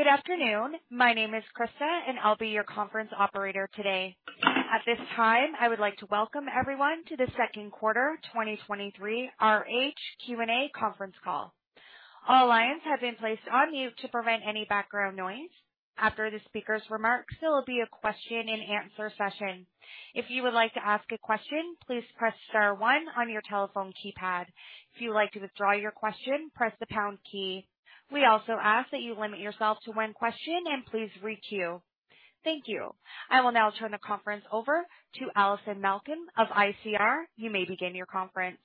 Good afternoon. My name is Krista, and I'll be your conference operator today. At this time, I would like to welcome everyone to the second quarter 2023 RH Q&A conference call. All lines have been placed on mute to prevent any background noise. After the speaker's remarks, there will be a question and answer session. If you would like to ask a question, please press star one on your telephone keypad. If you would like to withdraw your question, press the pound key. We also ask that you limit yourself to one question and please requeue. Thank you. I will now turn the conference over to Allison Malkin of ICR. You may begin your conference.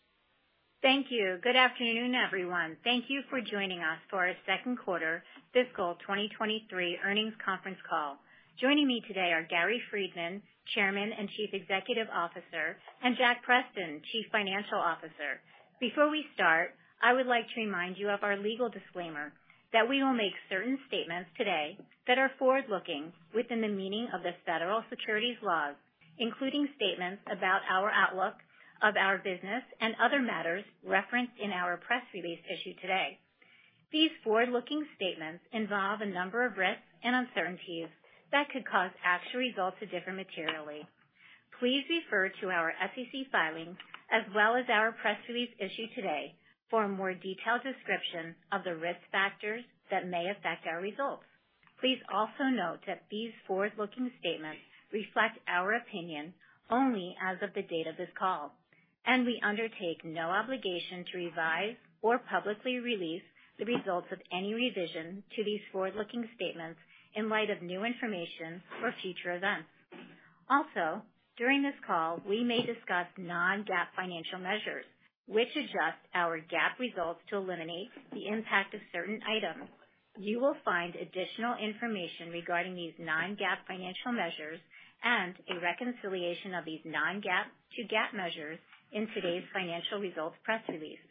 Thank you. Good afternoon, everyone. Thank you for joining us for our second quarter fiscal 2023 earnings conference call. Joining me today are Gary Friedman, Chairman and Chief Executive Officer, and Jack Preston, Chief Financial Officer. Before we start, I would like to remind you of our legal disclaimer: that we will make certain statements today that are forward-looking within the meaning of the federal securities laws, including statements about our outlook of our business and other matters referenced in our press release issued today. These forward-looking statements involve a number of risks and uncertainties that could cause actual results to differ materially. Please refer to our SEC filings as well as our press release issued today for a more detailed description of the risk factors that may affect our results. Please also note that these forward-looking statements reflect our opinion only as of the date of this call, and we undertake no obligation to revise or publicly release the results of any revision to these forward-looking statements in light of new information or future events. Also, during this call, we may discuss non-GAAP financial measures, which adjust our GAAP results to eliminate the impact of certain items. You will find additional information regarding these non-GAAP financial measures and a reconciliation of these non-GAAP to GAAP measures in today's financial results press release.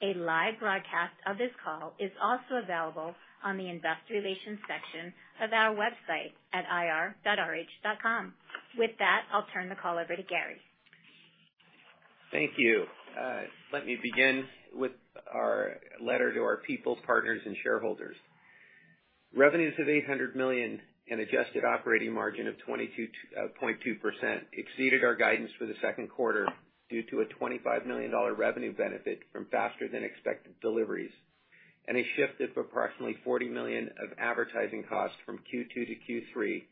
A live broadcast of this call is also available on the Investor Relations section of our website at ir.rh.com. With that, I'll turn the call over to Gary. Thank you. Let me begin with our letter to our peoples, partners and shareholders. Revenues of $800 million and adjusted operating margin of 22.2% exceeded our guidance for the second quarter due to a $25 million revenue benefit from faster than expected deliveries and a shift of approximately $40 million of advertising costs from Q2 to Q3,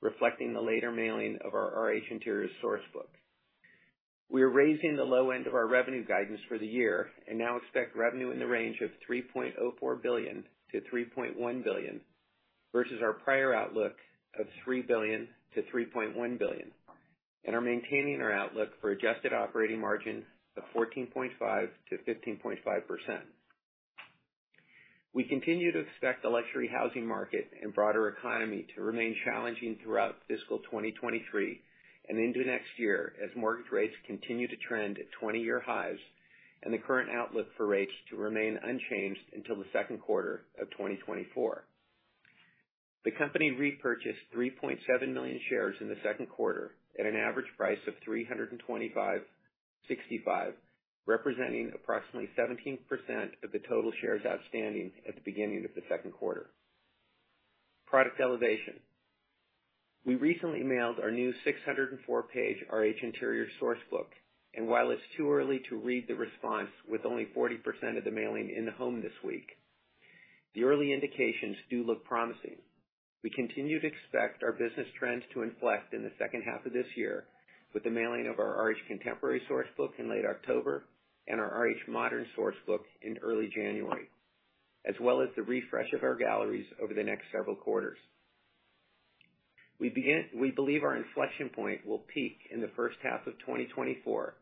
reflecting the later mailing of our RH Interiors Source Book. We are raising the low end of our revenue guidance for the year and now expect revenue in the range of $3.04 billion-$3.1 billion, versus our prior outlook of $3 billion-$3.1 billion, and are maintaining our outlook for adjusted operating margin of 14.5%-15.5%. We continue to expect the luxury housing market and broader economy to remain challenging throughout fiscal 2023 and into next year, as mortgage rates continue to trend at 20-year highs and the current outlook for rates to remain unchanged until the second quarter of 2024. The company repurchased 3.7 million shares in the second quarter at an average price of $325.65, representing approximately 17% of the total shares outstanding at the beginning of the second quarter. Product elevation. We recently mailed our new 604-page RH Interiors Source Book, and while it's too early to read the response, with only 40% of the mailing in the home this week, the early indications do look promising. We continue to expect our business trends to inflect in the second half of this year with the mailing of our RH Contemporary Source Book in late October and our RH Modern Source Book in early January, as well as the refresh of our galleries over the next several quarters. We believe our inflection point will peak in the first half of 2024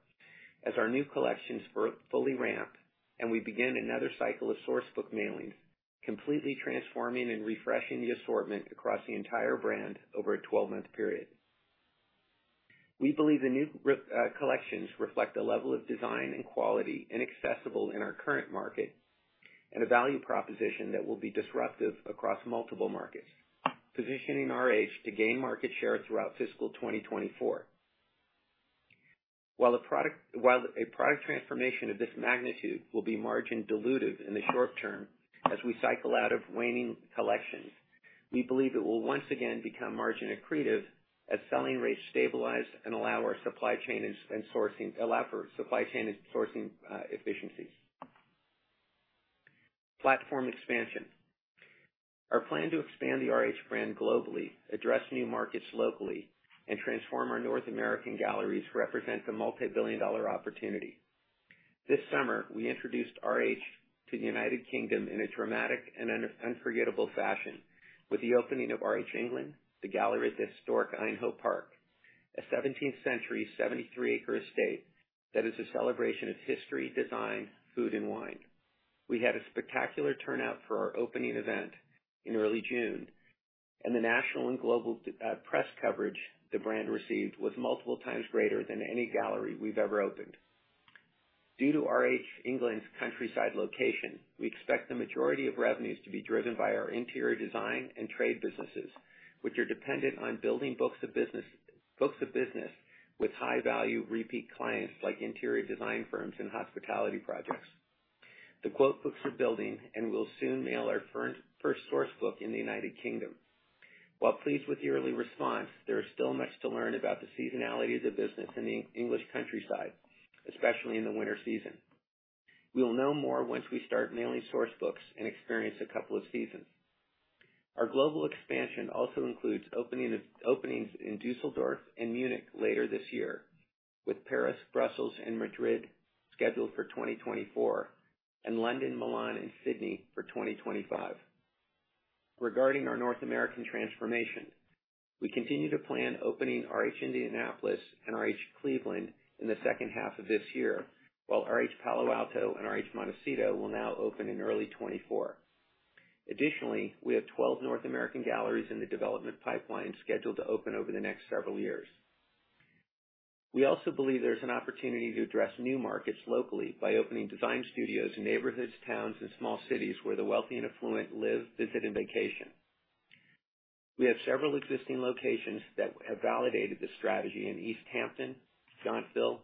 as our new collections fully ramp and we begin another cycle of source book mailings, completely transforming and refreshing the assortment across the entire brand over a 12-month period. We believe the new collections reflect a level of design and quality inaccessible in our current market and a value proposition that will be disruptive across multiple markets, positioning RH to gain market share throughout fiscal 2024. While a product transformation of this magnitude will be margin dilutive in the short term as we cycle out of waning collections, we believe it will once again become margin accretive as selling rates stabilize and allow our supply chain and sourcing efficiencies. Platform expansion. Our plan to expand the RH brand globally, address new markets locally, and transform our North American galleries represents a multibillion-dollar opportunity. This summer, we introduced RH to the United Kingdom in a dramatic and unforgettable fashion with the opening of RH England, the gallery at the historic Aynho Park, a 17th-century 73-acre estate that is a celebration of history, design, food, and wine. We had a spectacular turnout for our opening event in early June, and the national and global press coverage the brand received was multiple times greater than any gallery we've ever opened. Due to RH England's countryside location, we expect the majority of revenues to be driven by our interior design and trade businesses, which are dependent on building books of business, books of business with high-value repeat clients like interior design firms and hospitality projects. The quote books are building, and we'll soon mail our first, first Source Book in the United Kingdom. While pleased with the early response, there is still much to learn about the seasonality of the business in the English countryside, especially in the winter season. We will know more once we start mailing Source Books and experience a couple of seasons. Our global expansion also includes openings in Düsseldorf and Munich later this year, with Paris, Brussels, and Madrid scheduled for 2024, and London, Milan, and Sydney for 2025. Regarding our North American transformation, we continue to plan opening RH Indianapolis and RH Cleveland in the second half of this year, while RH Palo Alto and RH Montecito will now open in early 2024. Additionally, we have 12 North American galleries in the development pipeline, scheduled to open over the next several years. We also believe there's an opportunity to address new markets locally by opening design studios in neighborhoods, towns, and small cities where the wealthy and affluent live, visit, and vacation. We have several existing locations that have validated this strategy in East Hampton, Yountville,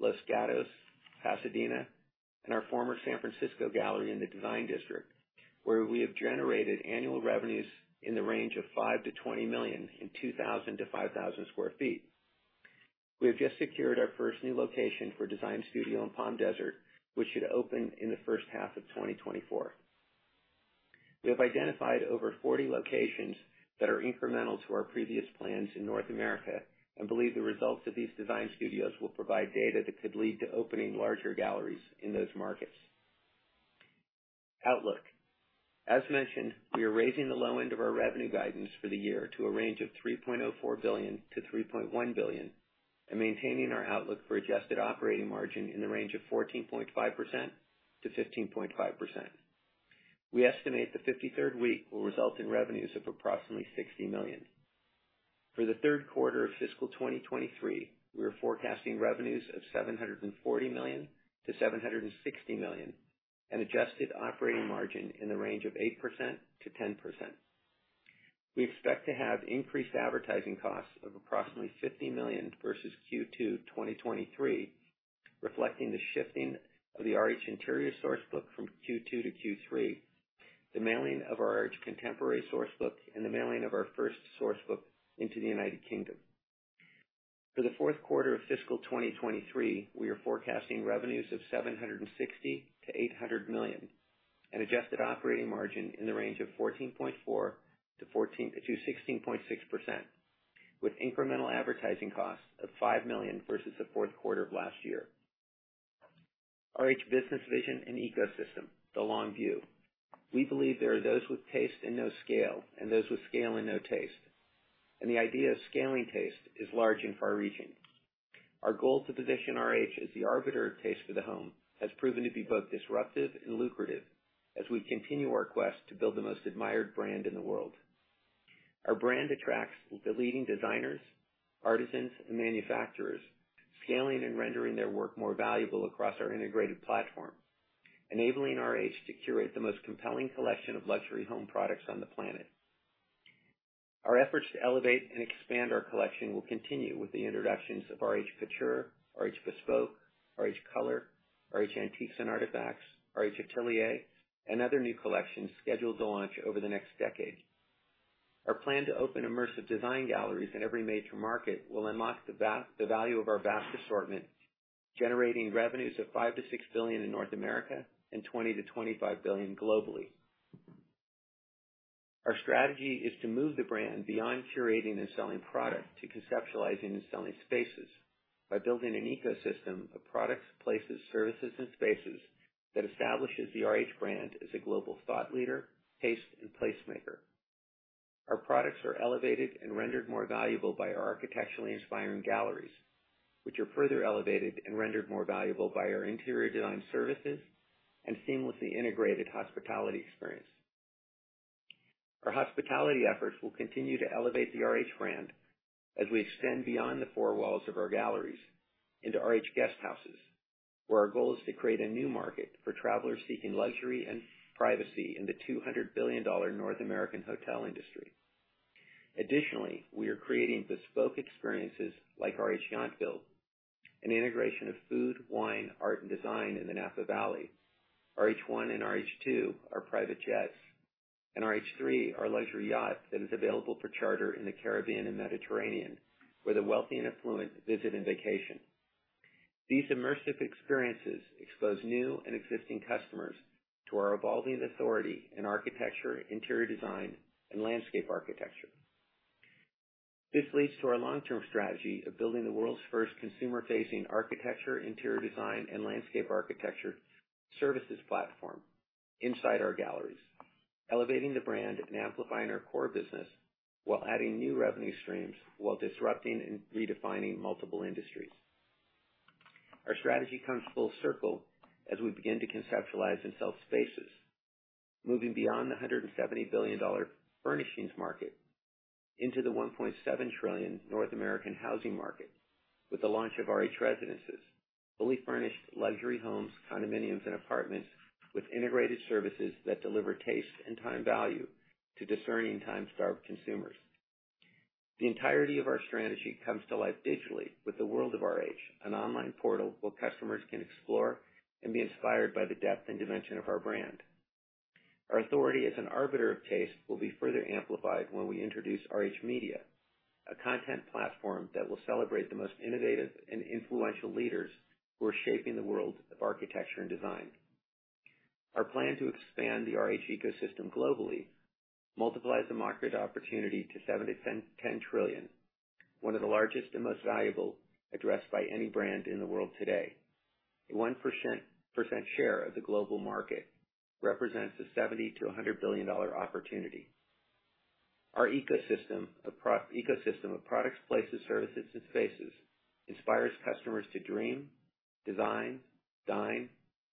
Los Gatos, Pasadena, and our former San Francisco gallery in the Design District, where we have generated annual revenues in the range of $5 million-$20 million in 2,000-5,000 sq ft. We have just secured our first new location for Design Studio in Palm Desert, which should open in the first half of 2024. We have identified over 40 locations that are incremental to our previous plans in North America and believe the results of these design studios will provide data that could lead to opening larger galleries in those markets. Outlook. As mentioned, we are raising the low end of our revenue guidance for the year to a range of $3.04 billion-$3.1 billion, and maintaining our outlook for adjusted operating margin in the range of 14.5%-15.5%. We estimate the fifty-third week will result in revenues of approximately $60 million. For the third quarter of fiscal 2023, we are forecasting revenues of $740 million-$760 million, and adjusted operating margin in the range of 8%-10%. We expect to have increased advertising costs of approximately $50 million versus Q2 2023, reflecting the shifting of the RH Interiors Source Book from Q2 to Q3, the mailing of our RH Contemporary Source Book, and the mailing of our first Source Book into the United Kingdom. For the fourth quarter of fiscal 2023, we are forecasting revenues of $760 million-$800 million, and adjusted operating margin in the range of 14.4%-16.6%, with incremental advertising costs of $5 million versus the fourth quarter of last year. RH Business Vision and Ecosystem: The Long View. We believe there are those with taste and no scale, and those with scale and no taste, and the idea of scaling taste is large and far-reaching. Our goal to position RH as the arbiter of taste for the home has proven to be both disruptive and lucrative as we continue our quest to build the most admired brand in the world. Our brand attracts the leading designers, artisans, and manufacturers, scaling and rendering their work more valuable across our integrated platform, enabling RH to curate the most compelling collection of luxury home products on the planet. Our efforts to elevate and expand our collection will continue with the introductions of RH Couture, RH Bespoke, RH Color, RH Antiques and Artifacts, RH Atelier, and other new collections scheduled to launch over the next decade. Our plan to open immersive design galleries in every major market will unlock the value of our vast assortment, generating revenues of $5 billion-$6 billion in North America and $20 billion-$25 billion globally. Our strategy is to move the brand beyond curating and selling product, to conceptualizing and selling spaces by building an ecosystem of products, places, services, and spaces that establishes the RH brand as a global thought leader, taste and placemaker. Our products are elevated and rendered more valuable by our architecturally inspiring galleries, which are further elevated and rendered more valuable by our interior design services and seamlessly integrated hospitality experience. Our hospitality efforts will continue to elevate the RH brand as we extend beyond the four walls of our galleries into RH Guesthouses, where our goal is to create a new market for travelers seeking luxury and privacy in the $200 billion North American hotel industry. Additionally, we are creating bespoke experiences like RH Yountville, an integration of food, wine, art, and design in the Napa Valley. RH One and RH Two are private jets, and RH Three, our luxury yacht, that is available for charter in the Caribbean and Mediterranean, where the wealthy and affluent visit and vacation. These immersive experiences expose new and existing customers to our evolving authority in architecture, interior design, and landscape architecture. This leads to our long-term strategy of building the world's first consumer-facing architecture, interior design, and landscape architecture services platform inside our galleries, elevating the brand and amplifying our core business while adding new revenue streams, while disrupting and redefining multiple industries. Our strategy comes full circle as we begin to conceptualize and sell spaces, moving beyond the $170 billion furnishings market into the $1.7 trillion North American housing market, with the launch of RH Residences, fully furnished luxury homes, condominiums, and apartments with integrated services that deliver taste and time value to discerning, time-starved consumers. The entirety of our strategy comes to life digitally with the World of RH, an online portal where customers can explore and be inspired by the depth and dimension of our brand. Our authority as an arbiter of taste will be further amplified when we introduce RH Media, a content platform that will celebrate the most innovative and influential leaders who are shaping the world of architecture and design. Our plan to expand the RH ecosystem globally multiplies the market opportunity to 7-10 trillion, one of the largest and most valuable addressed by any brand in the world today. A 1% share of the global market represents a $70 billion-$100 billion opportunity. Our ecosystem, a proprietary ecosystem of products, places, services, and spaces, inspires customers to dream, design, dine,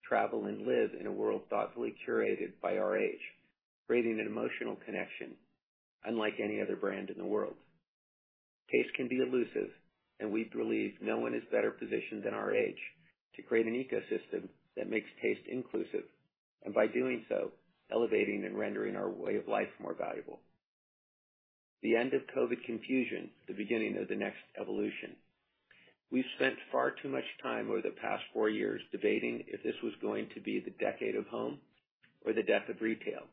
travel, and live in a world thoughtfully curated by RH, creating an emotional connection unlike any other brand in the world. Taste can be elusive, and we believe no one is better positioned than RH to create an ecosystem that makes taste inclusive, and by doing so, elevating and rendering our way of life more valuable. The end of COVID confusion, the beginning of the next evolution. We've spent far too much time over the past four years debating if this was going to be the decade of home or the death of retail,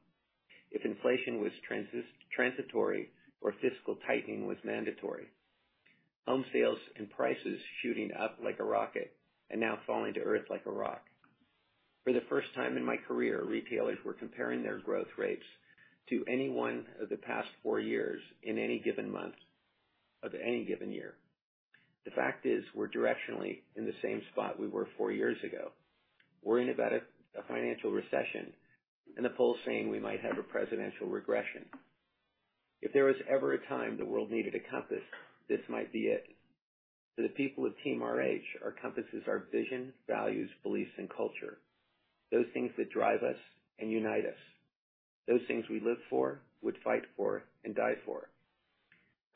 if inflation was transitory or fiscal tightening was mandatory. Home sales and prices shooting up like a rocket and now falling to earth like a rock. For the first time in my career, retailers were comparing their growth rates to any one of the past four years in any given month of any given year. The fact is, we're directionally in the same spot we were four years ago, worrying about a financial recession and the polls saying we might have a presidential regression. If there was ever a time the world needed a compass, this might be it. For the people of Team RH, our compass is our vision, values, beliefs, and culture. Those things that drive us and unite us, those things we live for, would fight for, and die for.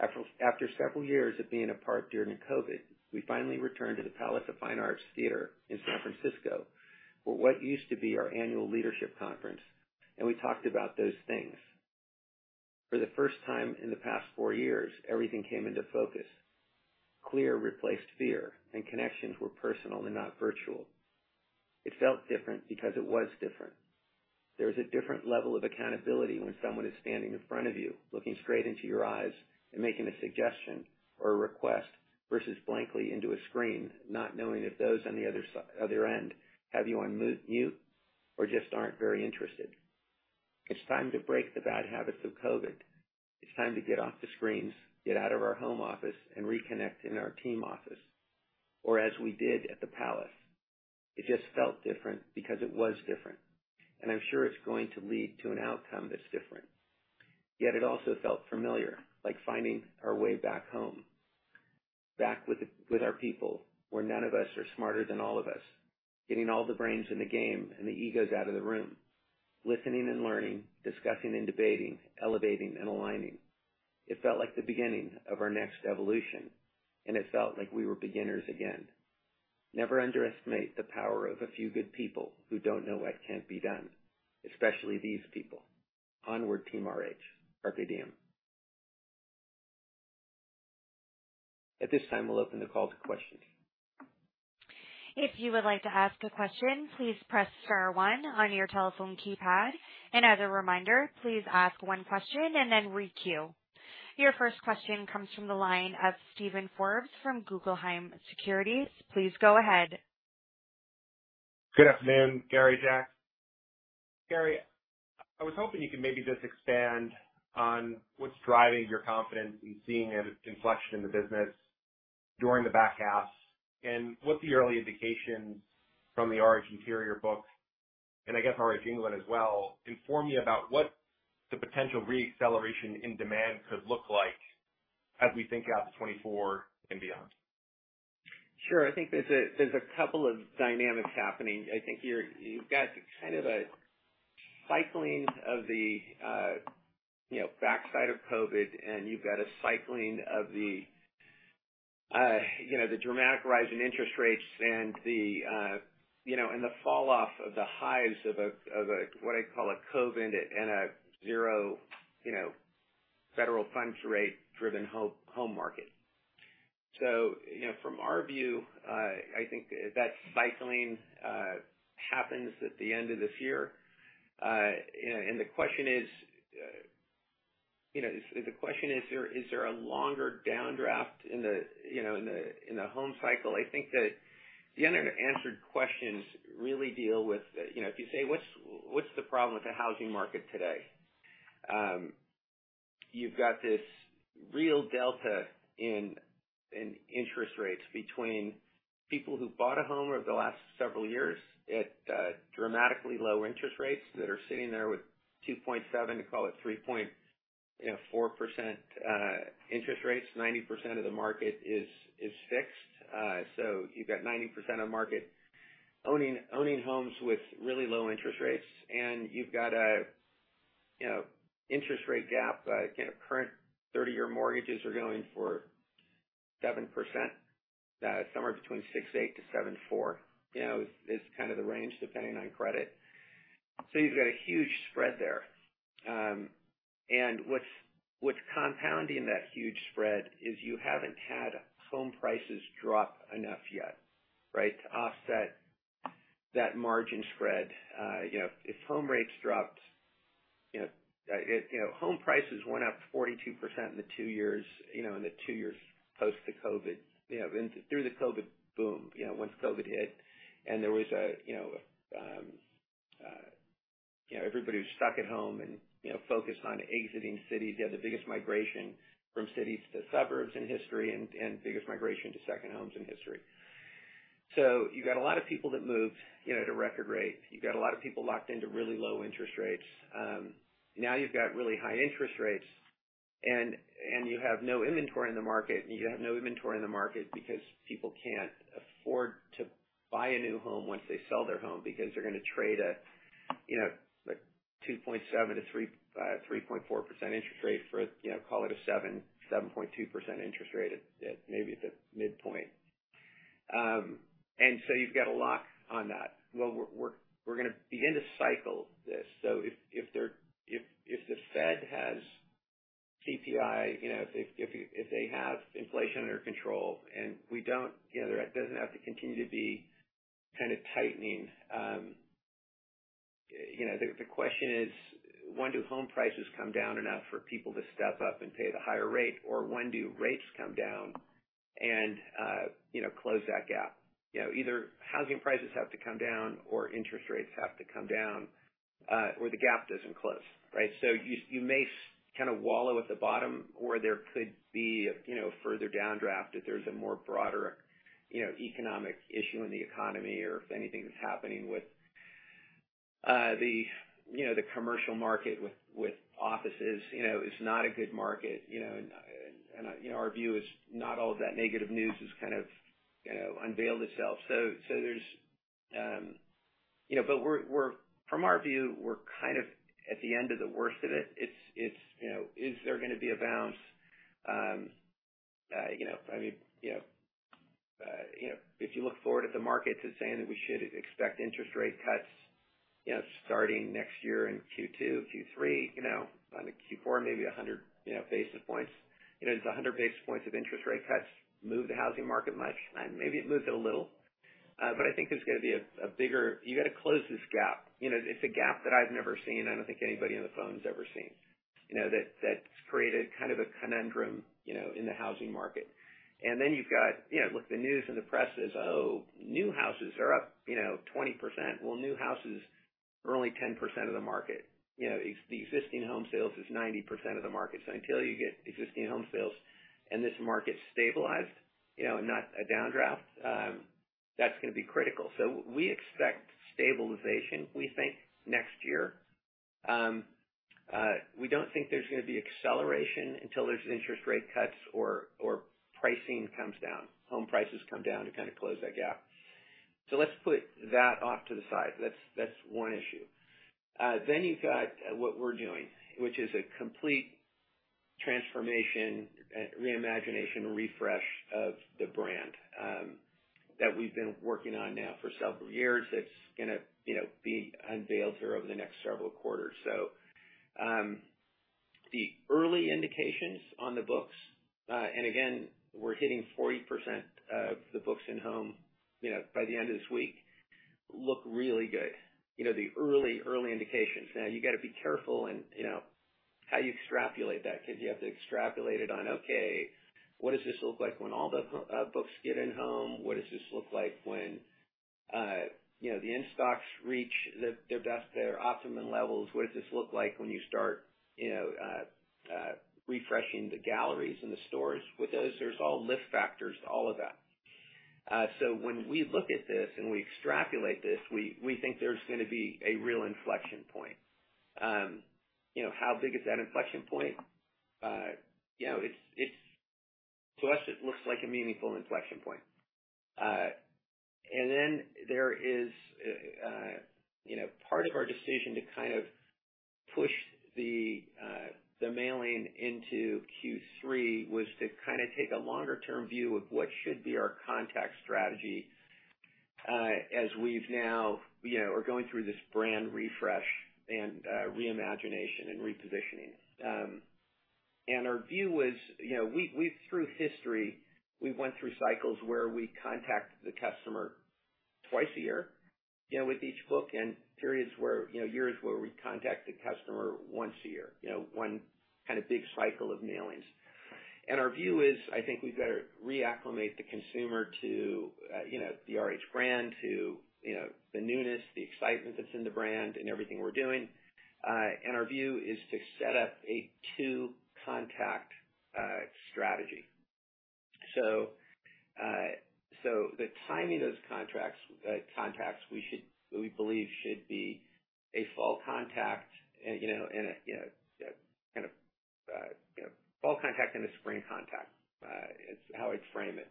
After several years of being apart during COVID, we finally returned to the Palace of Fine Arts Theatre in San Francisco for what used to be our annual leadership conference, and we talked about those things. For the first time in the past four years, everything came into focus. Clear replaced fear, and connections were personal and not virtual. It felt different because it was different. There is a different level of accountability when someone is standing in front of you, looking straight into your eyes and making a suggestion or a request, versus blankly into a screen, not knowing if those on the other end have you on mute or just aren't very interested. It's time to break the bad habits of COVID. It's time to get off the screens, get out of our home office, and reconnect in our team office, or as we did at the Palace. It just felt different because it was different, and I'm sure it's going to lead to an outcome that's different. Yet it also felt familiar, like finding our way back home, back with our people, where none of us are smarter than all of us, getting all the brains in the game and the egos out of the room, listening and learning, discussing and debating, elevating and aligning. It felt like the beginning of our next evolution, and it felt like we were beginners again. Never underestimate the power of a few good people who don't know what can't be done, especially these people. Onward, Team RH. Carpe Diem. At this time, we'll open the call to questions. If you would like to ask a question, please press star one on your telephone keypad. As a reminder, please ask one question and then queue. Your first question comes from the line of Steven Forbes from Guggenheim Securities. Please go ahead. Good afternoon, Gary, Jack. Gary, I was hoping you could maybe just expand on what's driving your confidence in seeing an inflection in the business during the back half, and what the early indications from the RH Interior book, and I guess RH England as well, inform you about what the potential re-acceleration in demand could look like as we think out to 2024 and beyond? Sure. I think there's a, there's a couple of dynamics happening. I think you're- you've got kind of a cycling of the, you know, backside of COVID, and you've got a cycling of the, you know, the dramatic rise in interest rates and the, you know, and the falloff of the highs of a, of a, what I call a COVID and a, and a zero, you know, Federal Funds Rate driven home, home market. So, you know, from our view, I think that cycling happens at the end of this year. And the question is, you know, the question is, is there a longer downdraft in the, you know, in the home cycle? I think that the answered questions really deal with, you know, if you say, "What's the problem with the housing market today?" You've got this real delta in interest rates between people who bought a home over the last several years at dramatically low interest rates that are sitting there with 2.7, call it 3, you know, 4% interest rates. 90% of the market is fixed. So you've got 90% of the market owning homes with really low interest rates, and you've got, you know, interest rate gap, you know, current 30-year mortgages are going for 7%, somewhere between 6.8-7.4, you know, is kind of the range, depending on credit. So you've got a huge spread there. And what's compounding that huge spread is you haven't had home prices drop enough yet, right? To offset that margin spread. You know, if home rates dropped, you know, you know, home prices went up 42% in the two years, you know, in the two years post the COVID, you know, through the COVID boom. You know, once COVID hit and there was a, you know, you know, everybody was stuck at home and, you know, focused on exiting cities. You had the biggest migration from cities to suburbs in history and biggest migration to second homes in history. So you've got a lot of people that moved, you know, at a record rate. You've got a lot of people locked into really low interest rates. Now you've got really high interest rates, and you have no inventory in the market, and you have no inventory in the market because people can't afford to buy a new home once they sell their home, because they're gonna trade a, you know, like 2.7%-3.4% interest rate for, you know, call it a 7-7.2% interest rate at, at maybe at the midpoint. And so you've got a lock on that. Well, we're gonna begin to cycle this. So if the Fed has CPI, you know, if they have inflation under control and we don't, you know, there doesn't have to continue to be kind of tightening. You know, the question is: When do home prices come down enough for people to step up and pay the higher rate, or when do rates come down and, you know, close that gap? You know, either housing prices have to come down, or interest rates have to come down, or the gap doesn't close, right? So you may kind of wallow at the bottom, or there could be a, you know, further downdraft if there's a more broader, you know, economic issue in the economy, or if anything that's happening with, the, you know, the commercial market with offices, you know, is not a good market, you know. And, you know, our view is not all of that negative news is kind of, you know, unveiled itself. So, there's... You know, but we're from our view, we're kind of at the end of the worst of it. It's you know, is there gonna be a bounce? You know, I mean, you know, if you look forward at the markets as saying that we should expect interest rate cuts, you know, starting next year in Q2, Q3, you know, on a Q4, maybe 100 basis points. You know, does 100 basis points of interest rate cuts move the housing market much? Maybe it moves it a little, but I think there's gonna be a bigger... You gotta close this gap. You know, it's a gap that I've never seen, and I don't think anybody on the phone has ever seen, you know, that that's created kind of a conundrum, you know, in the housing market. And then you've got, you know, look, the news and the press is, "oh, new houses are up, you know, 20%." Well, new houses are only 10% of the market. You know, the existing home sales is 90% of the market. So until you get existing home sales and this market stabilized, you know, and not a downdraft, that's gonna be critical. So we expect stabilization, we think, next year. We don't think there's gonna be acceleration until there's interest rate cuts or pricing comes down, home prices come down to kind of close that gap. So let's put that off to the side. That's, that's one issue. Then you've got, what we're doing, which is a complete transformation and reimagination, refresh of the brand, that we've been working on now for several years. That's gonna, you know, be unveiled over the next several quarters. So, the early indications on the books, and again, we're hitting 40% of the books in home, you know, by the end of this week, look really good. You know, the early, early indications. Now, you gotta be careful in, you know, how you extrapolate that, because you have to extrapolate it on, okay, what does this look like when all the books get in home? What does this look like when, you know, the in-stocks reach their best, their optimum levels? What does this look like when you start, you know, refreshing the galleries and the stores? With those, there's all lift factors to all of that. So when we look at this and we extrapolate this, we think there's gonna be a real inflection point. You know, how big is that inflection point? You know, it's, it's... To us, it looks like a meaningful inflection point. And then there is you know, part of our decision to kind of push the mailing into Q3 was to kind of take a longer-term view of what should be our contact strategy, as we've now, you know, are going through this brand refresh and reimagination and repositioning. Our view was, you know, we, we've, through history, we went through cycles where we contacted the customer twice a year, you know, with each book, and periods where, you know, years where we contacted the customer once a year, you know, one kind of big cycle of mailings. And our view is, I think we've got to re-acclimate the consumer to, you know, the RH brand, to, you know, the newness, the excitement that's in the brand and everything we're doing. And our view is to set up a two contact strategy. So, so the timing of those contracts, contacts, we should, we believe, should be a fall contact, and, you know, and a, you know, kind of fall contact and a spring contact, is how I'd frame it.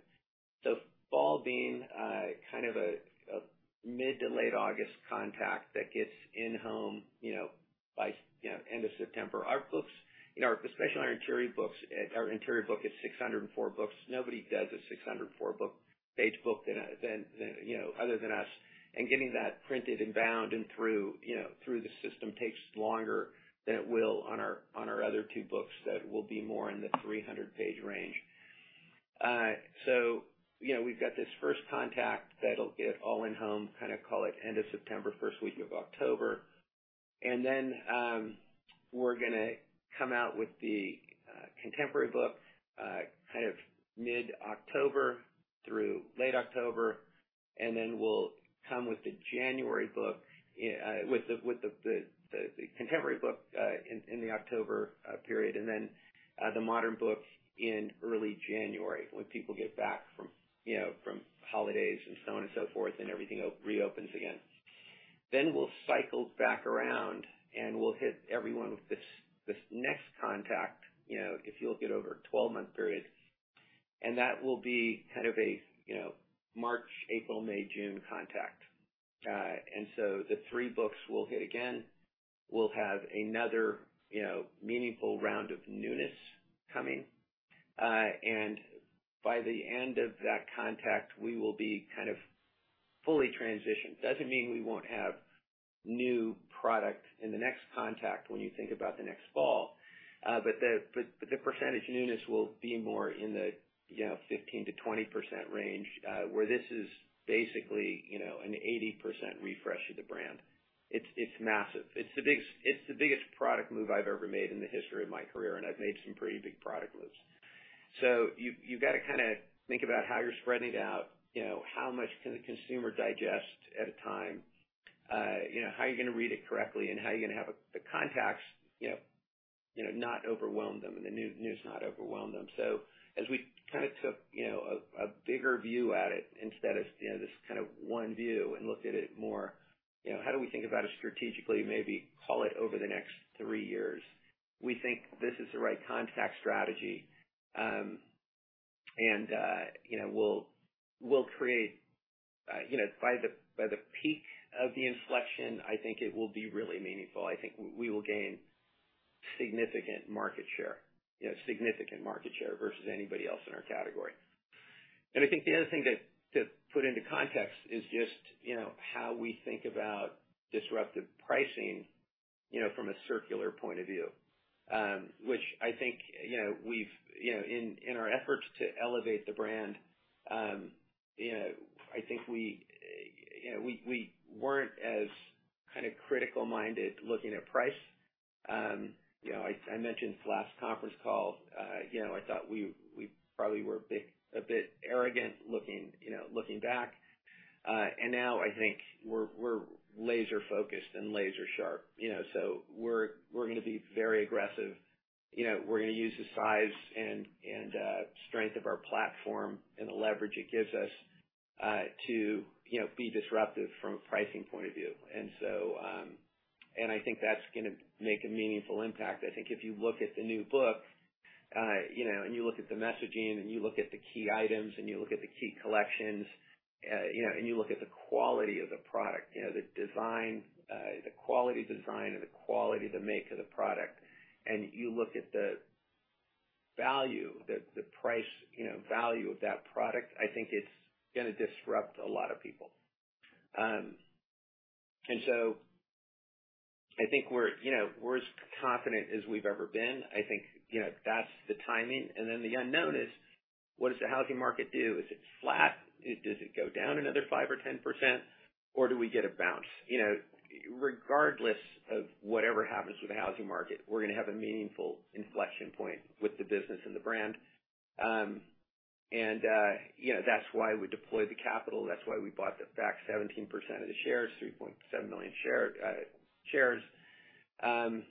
So fall being, kind of a, a mid to late August contact that gets in-home, you know, by, you know, end of September. Our books, you know, especially our interior books, our interior book is 604-page book. Nobody does a 604-page book than, than, you know, other than us. Getting that printed and bound and through, you know, through the system takes longer than it will on our, on our other two books that will be more in the 300-page range. So, you know, we've got this first contact that'll get all in home, kind of call it end of September, first week of October. Then, we're gonna come out with the Contemporary book, kind of mid-October through late October, and then we'll come with the January book, with the Contemporary book in the October period, and then the Modern books in early January, when people get back from, you know, from holidays and so on and so forth, and everything reopens again. Then we'll cycle back around, and we'll hit everyone with this next contact, you know, if you look at it over a 12-month period, and that will be kind of a, you know, March, April, May, June contact. And so the three books we'll hit again, we'll have another, you know, meaningful round of newness coming. And by the end of that contact, we will be kind of fully transitioned. Doesn't mean we won't have new product in the next contact when you think about the next fall. But the percentage newness will be more in the, you know, 15%-20% range, where this is basically, you know, an 80% refresh of the brand. It's massive. It's the biggest product move I've ever made in the history of my career, and I've made some pretty big product moves. So you gotta kinda think about how you're spreading it out, you know, how much can the consumer digest at a time? You know, how are you gonna read it correctly? And how are you gonna have the contacts, you know, you know, not overwhelm them, and the news, not overwhelm them. So as we kind of took, you know, a bigger view at it, instead of, you know, this kind of one view and looked at it more, you know, how do we think about it strategically, maybe call it over the next three years? We think this is the right contact strategy. And, you know, we'll, we'll create, you know, by the, by the peak of the inflection, I think it will be really meaningful. I think we will gain significant market share, you know, significant market share versus anybody else in our category. And I think the other thing that, to put into context is just, you know, how we think about disruptive pricing, you know, from a circular point of view. Which I think, you know, we've, you know, in, in our efforts to elevate the brand, you know, I think we, you know, we, we weren't as kind of critical-minded looking at price. You know, I, I mentioned this last conference call, you know, I thought we, we probably were a bit, a bit arrogant, looking, you know, looking back. And now I think we're laser-focused and laser sharp, you know, so we're gonna be very aggressive. You know, we're gonna use the size and strength of our platform and the leverage it gives us, to, you know, be disruptive from a pricing point of view. So, I think that's gonna make a meaningful impact. I think if you look at the new book, you know, and you look at the messaging, and you look at the key items, and you look at the key collections, you know, and you look at the quality of the product, you know, the design, the quality design, and the quality of the make of the product, and you look at the value, the price, you know, value of that product, I think it's gonna disrupt a lot of people. And so I think we're, you know, we're as confident as we've ever been. I think, you know, that's the timing. And then the unknown is: What does the housing market do? Is it flat? Does it go down another 5% or 10%, or do we get a bounce? You know, regardless of whatever happens with the housing market, we're gonna have a meaningful inflection point with the business and the brand. And you know, that's why we deployed the capital. That's why we bought back 17% of the shares, 3.7 million shares. And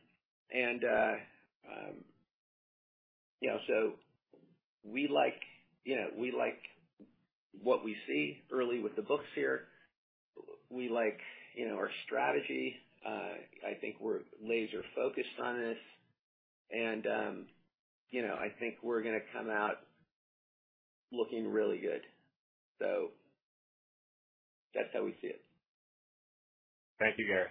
you know, so we like, you know, we like what we see early with the books here. We like, you know, our strategy. I think we're laser focused on this, and you know, I think we're gonna come out looking really good. So that's how we see it. Thank you, Gary.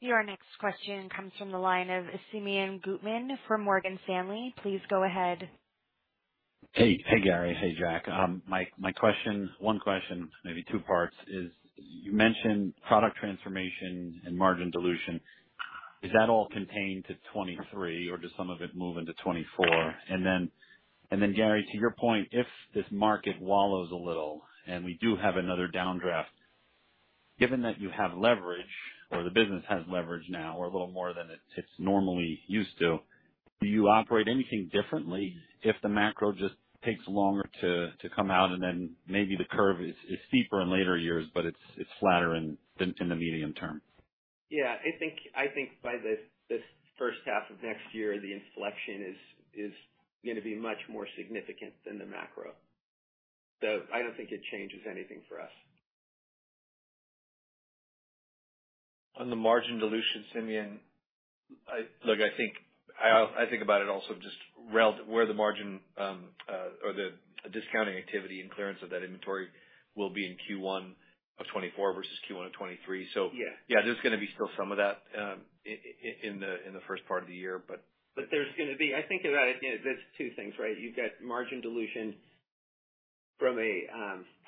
Your next question comes from the line of Simeon Gutman from Morgan Stanley. Please go ahead. Hey. Hey, Gary. Hey, Jack. My question, one question, maybe two parts, is: You mentioned product transformation and margin dilution. Is that all contained to 2023, or does some of it move into 2024? And then, Gary, to your point, if this market wallows a little, and we do have another downdraft, given that you have leverage, or the business has leverage now, or a little more than it's normally used to, do you operate anything differently if the macro just takes longer to come out and then maybe the curve is steeper in later years, but it's flatter in the medium term? Yeah, I think, I think by this first half of next year, the inflection is, is gonna be much more significant than the macro. So I don't think it changes anything for us. On the margin dilution, Simeon, I look, I think about it also just rel- where the margin or the discounting activity and clearance of that inventory will be in Q1 of 2024 versus Q1 of 2023. So- Yeah. Yeah, there's gonna be still some of that, in the first part of the year, but- But there's gonna be... I think about it, you know, there's two things, right? You've got margin dilution from a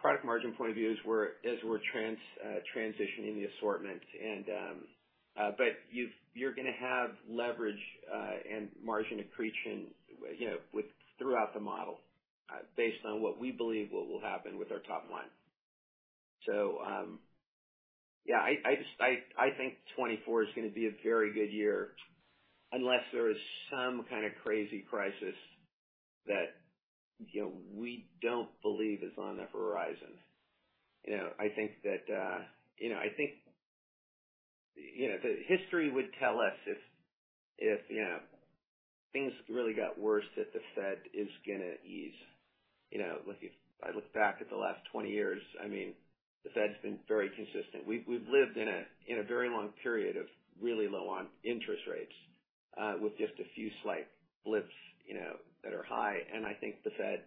product margin point of view, as we're transitioning the assortment, and but you're gonna have leverage and margin accretion, you know, throughout the model based on what we believe what will happen with our top line. So, yeah, I just think 2024 is gonna be a very good year, unless there is some kind of crazy crisis that, you know, we don't believe is on the horizon. You know, I think that, you know, I think, you know, the history would tell us if you know, things really got worse, that the Fed is gonna ease. You know, like, if I look back at the last 20 years, I mean, the Fed's been very consistent. We've lived in a very long period of really low-interest rates with just a few slight blips, you know, that are high. I think the Fed,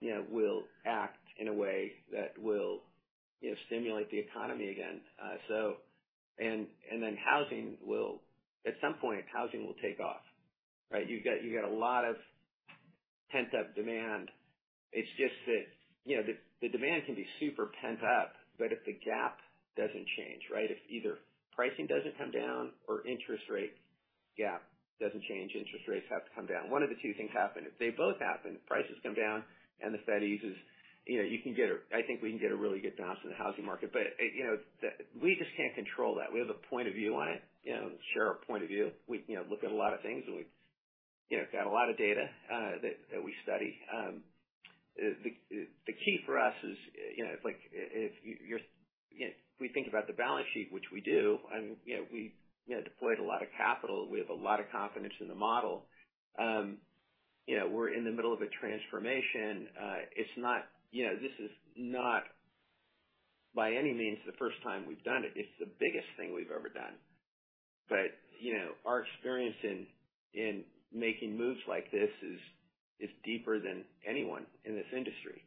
you know, will act in a way that will, you know, stimulate the economy again. So... And then housing will, at some point, housing will take off, right? You've got, you got a lot of pent-up demand. It's just that, you know, the demand can be super pent-up, but if the gap doesn't change, right? If either pricing doesn't come down or interest rate, yeah, doesn't change, interest rates have to come down. One of the two things happen. If they both happen, prices come down and the Fed eases, you know, you can get a—I think we can get a really good bounce in the housing market. But, you know, we just can't control that. We have a point of view on it, you know, share our point of view. We, you know, look at a lot of things, and we've, you know, got a lot of data that we study. The key for us is, you know, it's like if you're, you know, if we think about the balance sheet, which we do, and, you know, we, you know, deployed a lot of capital. We have a lot of confidence in the model. You know, we're in the middle of a transformation. It's not, you know, this is not by any means the first time we've done it. It's the biggest thing we've ever done. But, you know, our experience in making moves like this is deeper than anyone in this industry.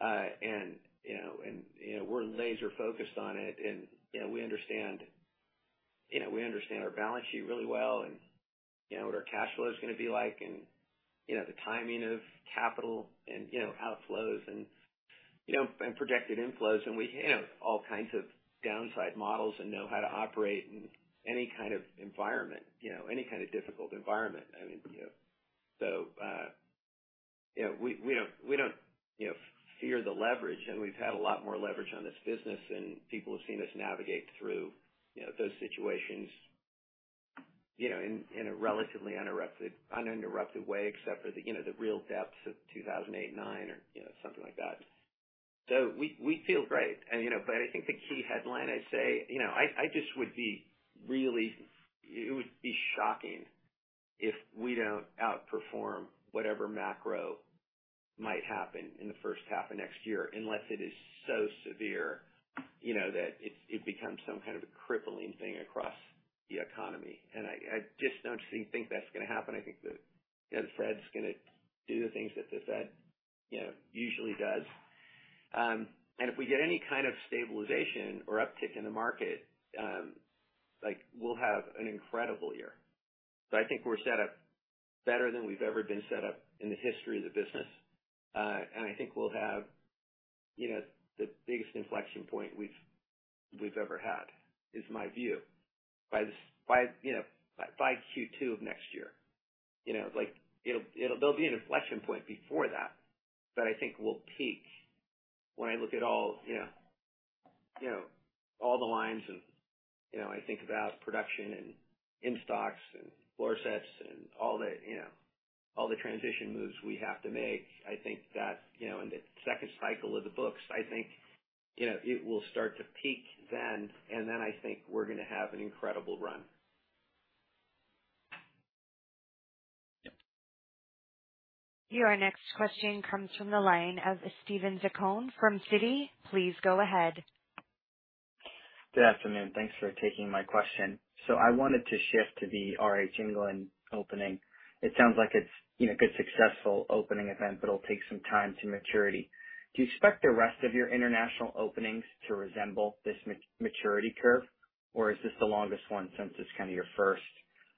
And, you know, and, you know, we're laser focused on it, and, you know, we understand our balance sheet really well, and, you know, what our cash flow is gonna be like, and, you know, the timing of capital and, you know, outflows and, you know, and projected inflows, and we, you know, all kinds of downside models and know how to operate in any kind of environment, you know, any kind of difficult environment. I mean, you know, so, you know, we, we don't, we don't, you know, fear the leverage, and we've had a lot more leverage on this business, and people have seen us navigate through, you know, those situations, you know, in, in a relatively uninterrupted, uninterrupted way, except for the, you know, the real depths of 2008, 2009, or, you know, something like that. So we, we feel great. And, you know, but I think the key headline, I'd say, you know, I, I just would be really... It would be shocking if we don't outperform whatever macro might happen in the first half of next year, unless it is so severe, you know, that it, it becomes some kind of a crippling thing across the economy. And I, I just don't think, think that's gonna happen. I think the, you know, Fed's gonna do the things that the Fed, you know, usually does. And if we get any kind of stabilization or uptick in the market, like, we'll have an incredible year. So I think we're set up better than we've ever been set up in the history of the business. And I think we'll have, you know, the biggest inflection point we've ever had, is my view. By, you know, by Q2 of next year, you know, like it'll... There'll be an inflection point before that, but I think we'll peak when I look at all, you know, all the lines and, you know, I think about production and in-stocks and floor sets and all the, you know, all the transition moves we have to make. I think that, you know, in the second cycle of the books, I think, you know, it will start to peak then, and then I think we're gonna have an incredible run. Yep. Your next question comes from the line of Steven Zaccone from Citi. Please go ahead. Good afternoon. Thanks for taking my question. So I wanted to shift to the RH England opening. It sounds like it's, you know, a good, successful opening event, but it'll take some time to maturity. Do you expect the rest of your international openings to resemble this maturity curve, or is this the longest one since it's kind of your first?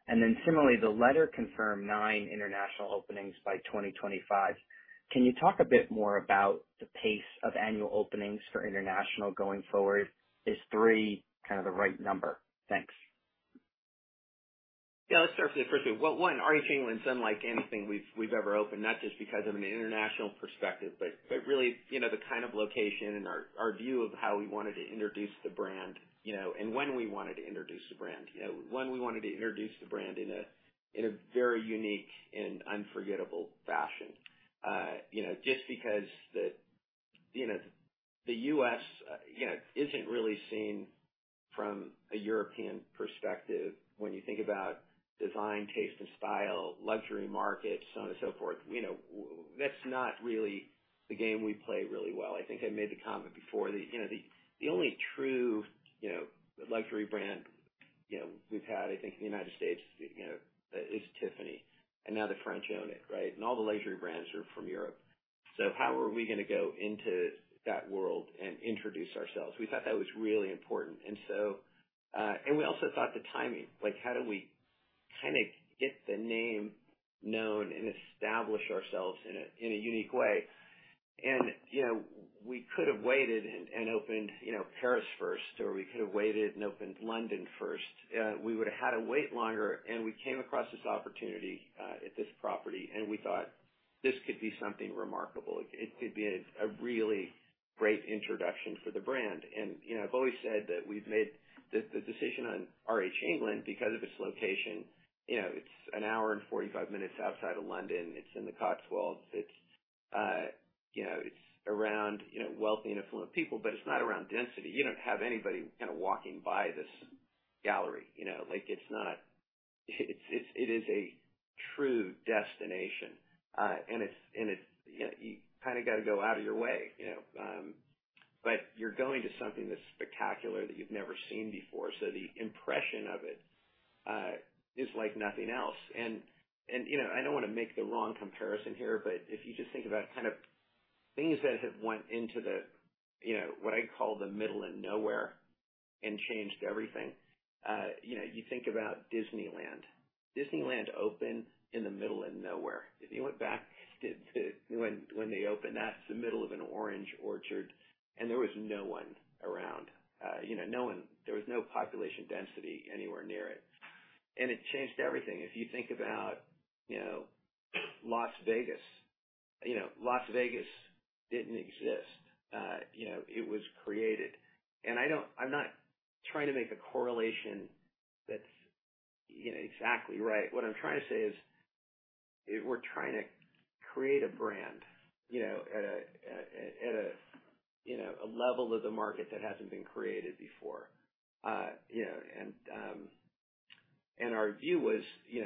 And then similarly, the letter confirmed nine international openings by 2025. Can you talk a bit more about the pace of annual openings for international going forward? Is three kind of the right number? Thanks. Yeah. Let's start with the first thing. Well, one, RH England is unlike anything we've ever opened, not just because of an international perspective, but really, you know, the kind of location and our view of how we wanted to introduce the brand, you know, and when we wanted to introduce the brand, you know, when we wanted to introduce the brand in a very unique and unforgettable fashion. You know, just because the, you know, the US, you know, isn't really seen from a European perspective, when you think about design, taste, and style, luxury markets, so on and so forth, you know, that's not really the game we play really well. I think I made the comment before, you know, the only true, you know, luxury brand, you know, we've had, I think, in the United States, you know, is Tiffany, and now the French own it, right? And all the luxury brands are from Europe. So how are we gonna go into that world and introduce ourselves? We thought that was really important. And so, and we also thought the timing, like, how do we kind of get the name known and establish ourselves in a unique way? And, you know, we could have waited and opened, you know, Paris first, or we could have waited and opened London first. We would have had to wait longer, and we came across this opportunity at this property, and we thought this could be something remarkable. It could be a really great introduction for the brand. And, you know, I've always said that we've made the decision on RH England because of its location. You know, it's an hour and 45 minutes outside of London. It's in the Cotswolds. It's, you know, it's around, you know, wealthy and affluent people, but it's not around density. You don't have anybody kind of walking by this gallery, you know? Like, it's not... It is a true destination, and it's, and it's, you know, you kind of got to go out of your way, you know, but you're going to something that's spectacular that you've never seen before. So the impression of it is like nothing else. You know, I don't want to make the wrong comparison here, but if you just think about kind of things that have went into the, you know, what I call the middle of nowhere and changed everything, you know, you think about Disneyland. Disneyland opened in the middle of nowhere. If you went back to when they opened, that's the middle of an orange orchard, and there was no one around, you know, no one, there was no population density anywhere near it, and it changed everything. If you think about, you know, Las Vegas, you know, Las Vegas didn't exist. You know, it was created. And I don't, I'm not trying to make a correlation that's, you know, exactly right. What I'm trying to say is we're trying to create a brand, you know, at a level of the market that hasn't been created before. You know, and our view was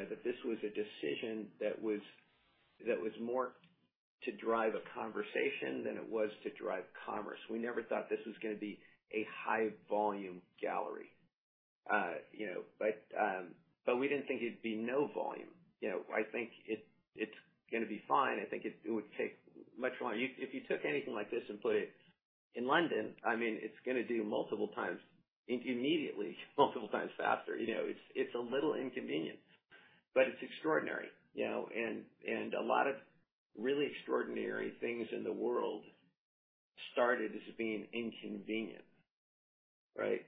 that this was a decision that was more to drive a conversation than it was to drive commerce. We never thought this was gonna be a high-volume gallery, you know, but we didn't think it'd be no volume. You know, I think it's gonna be fine. I think it would take much longer. If you took anything like this and put it in London, I mean, it's gonna do multiple times, immediately, multiple times faster. You know, it's a little inconvenient, but it's extraordinary, you know, and a lot of really extraordinary things in the world started as being inconvenient, right?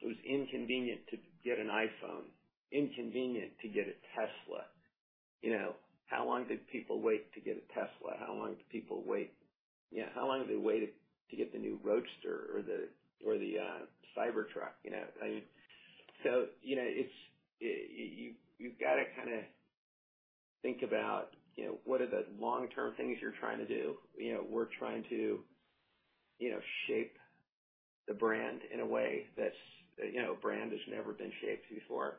It was inconvenient to get an iPhone, inconvenient to get a Tesla. You know, how long did people wait to get a Tesla? How long did people wait... You know, how long did they wait to get the new Roadster or the Cybertruck, you know? I mean, so, you know, it's, you've got to kind of think about, you know, what are the long-term things you're trying to do. You know, we're trying to, you know, shape the brand in a way that's, you know, brand has never been shaped before.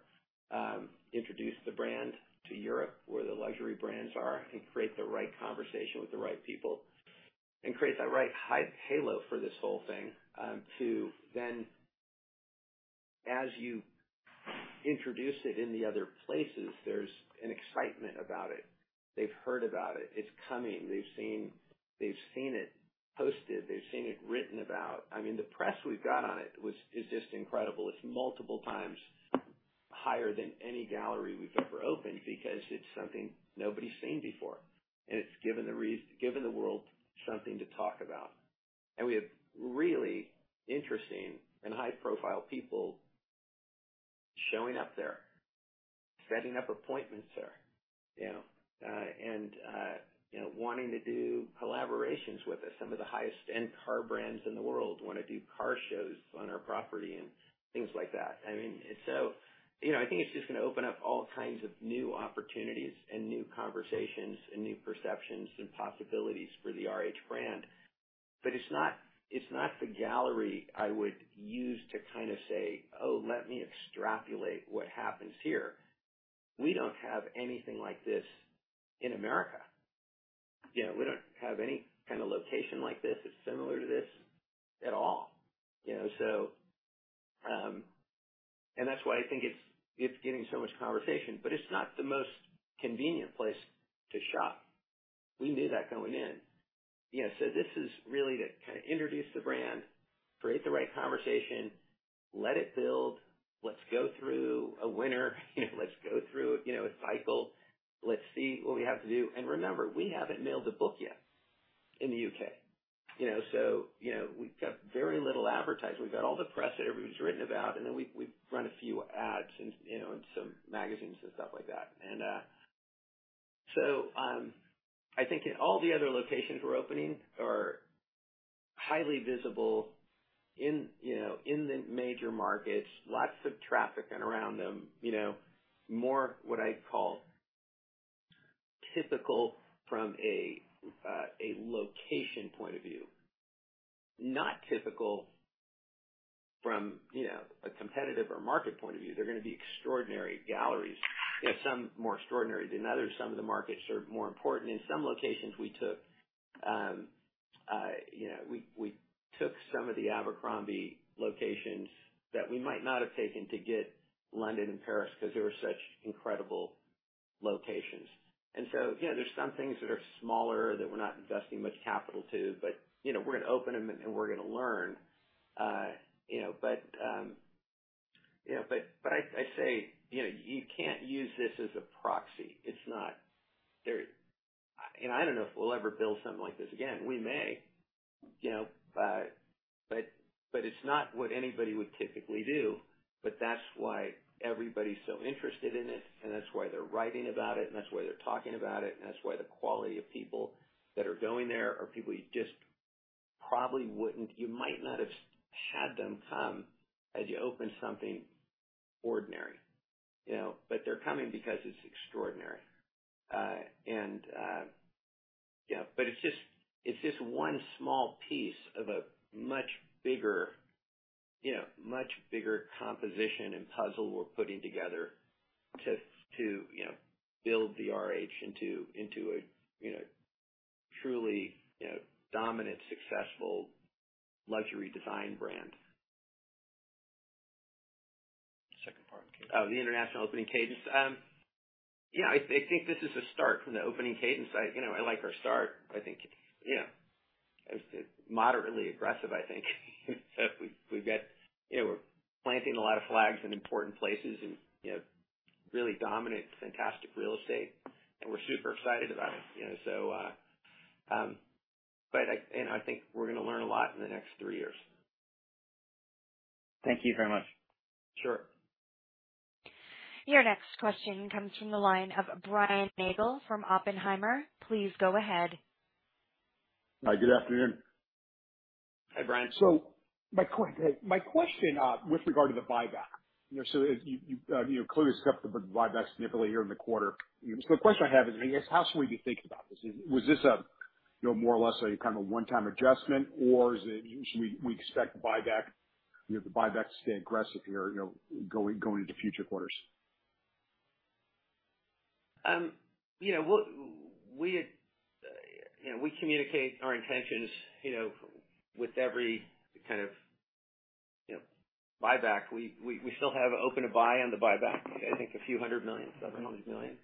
Introduce the brand to Europe, where the luxury brands are, and create the right conversation with the right people and create that right high halo for this whole thing, to then, as you introduce it in the other places, there's an excitement about it. They've heard about it. It's coming. They've seen, they've seen it posted. They've seen it written about. I mean, the press we've got on it was, is just incredible. It's multiple times higher than any gallery we've ever opened because it's something nobody's seen before, and it's given the world something to talk about. And we have really interesting and high-profile people showing up there, setting up appointments there, you know, and you know, wanting to do collaborations with us. Some of the highest-end car brands in the world want to do car shows on our property and things like that. I mean, so, you know, I think it's just gonna open up all kinds of new opportunities and new conversations and new perceptions and possibilities for the RH brand. But it's not, it's not the gallery I would use to kind of say, "Oh, let me extrapolate what happens here." We don't have anything like this in America. You know, we don't have any kind of location like this, that's similar to this at all, you know? So, and that's why I think it's, it's getting so much conversation, but it's not the most convenient place to shop. We knew that going in. You know, so this is really to kind of introduce the brand, create the right conversation, let it build, let's go through a winter, you know, let's go through, you know, a cycle. Let's see what we have to do. And remember, we haven't mailed a book yet in the UK, you know? So, you know, we've got very little advertising. We've got all the press that everybody's written about, and then we've, we've run a few ads in, you know, in some magazines and stuff like that. And so, I think in all the other locations we're opening are highly visible in, you know, in the major markets, lots of traffic in around them, you know, more what I'd call typical from a, a location point of view, not typical from, you know, a competitive or market point of view. They're gonna be extraordinary galleries, you know, some more extraordinary than others. Some of the markets are more important. In some locations we took, you know, we took some of the Abercrombie locations that we might not have taken to get London and Paris because they were such incredible locations. And so, you know, there's some things that are smaller that we're not investing much capital to, but, you know, we're gonna open them and we're gonna learn. You know, but I say, you know, you can't use this as a proxy. It's not there. And I don't know if we'll ever build something like this again. We may, you know, but it's not what anybody would typically do. But that's why everybody's so interested in it, and that's why they're writing about it, and that's why they're talking about it. And that's why the quality of people that are going there are people you just probably wouldn't—you might not have had them come as you open something ordinary, you know, but they're coming because it's extraordinary. But it's just, it's just one small piece of a much bigger, you know, much bigger composition and puzzle we're putting together to, to, you know, build the RH into, into a, you know, truly, you know, dominant, successful luxury design brand. Second part. Oh, the international opening cadence. Yeah, I think this is a start from the opening cadence. You know, I like our start. I think, you know, it's moderately aggressive, I think. So we, we've got... You know, we're planting a lot of flags in important places and, you know, really dominant, fantastic real estate, and we're super excited about it, you know. So, but I think we're gonna learn a lot in the next three years. Thank you very much. Sure. Your next question comes from the line of Brian Nagel from Oppenheimer. Please go ahead. Hi, good afternoon. Hi, Brian. So my question, with regard to the buyback, you know, so you know, clearly stepped up the buyback significantly here in the quarter. So the question I have is, how should we be thinking about this? Was this, you know, more or less a kind of a one-time adjustment, or is it... Should we expect the buyback, you know, the buyback to stay aggressive here, you know, going into future quarters? Yeah, what we had... You know, we communicate our intentions, you know, with every kind of, you know, buyback. We still have open-to-buy on the buyback, I think a few hundred million, $700 million.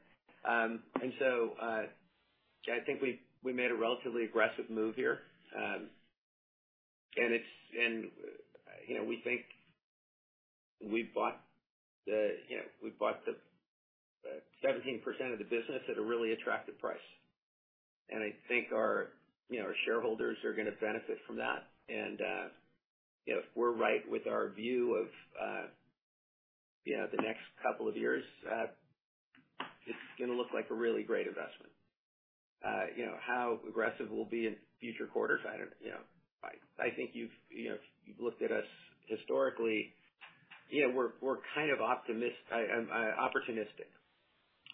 And so, I think we made a relatively aggressive move here. And it's, and, you know, we think we bought the, you know, we bought the, 17% of the business at a really attractive price. And I think our, you know, our shareholders are gonna benefit from that. And, you know, if we're right with our view of, you know, the next couple of years, it's gonna look like a really great investment. You know, how aggressive we'll be in future quarters? I don't, you know, I think you've, you know, you've looked at us historically. You know, we're, we're kind of optimistic.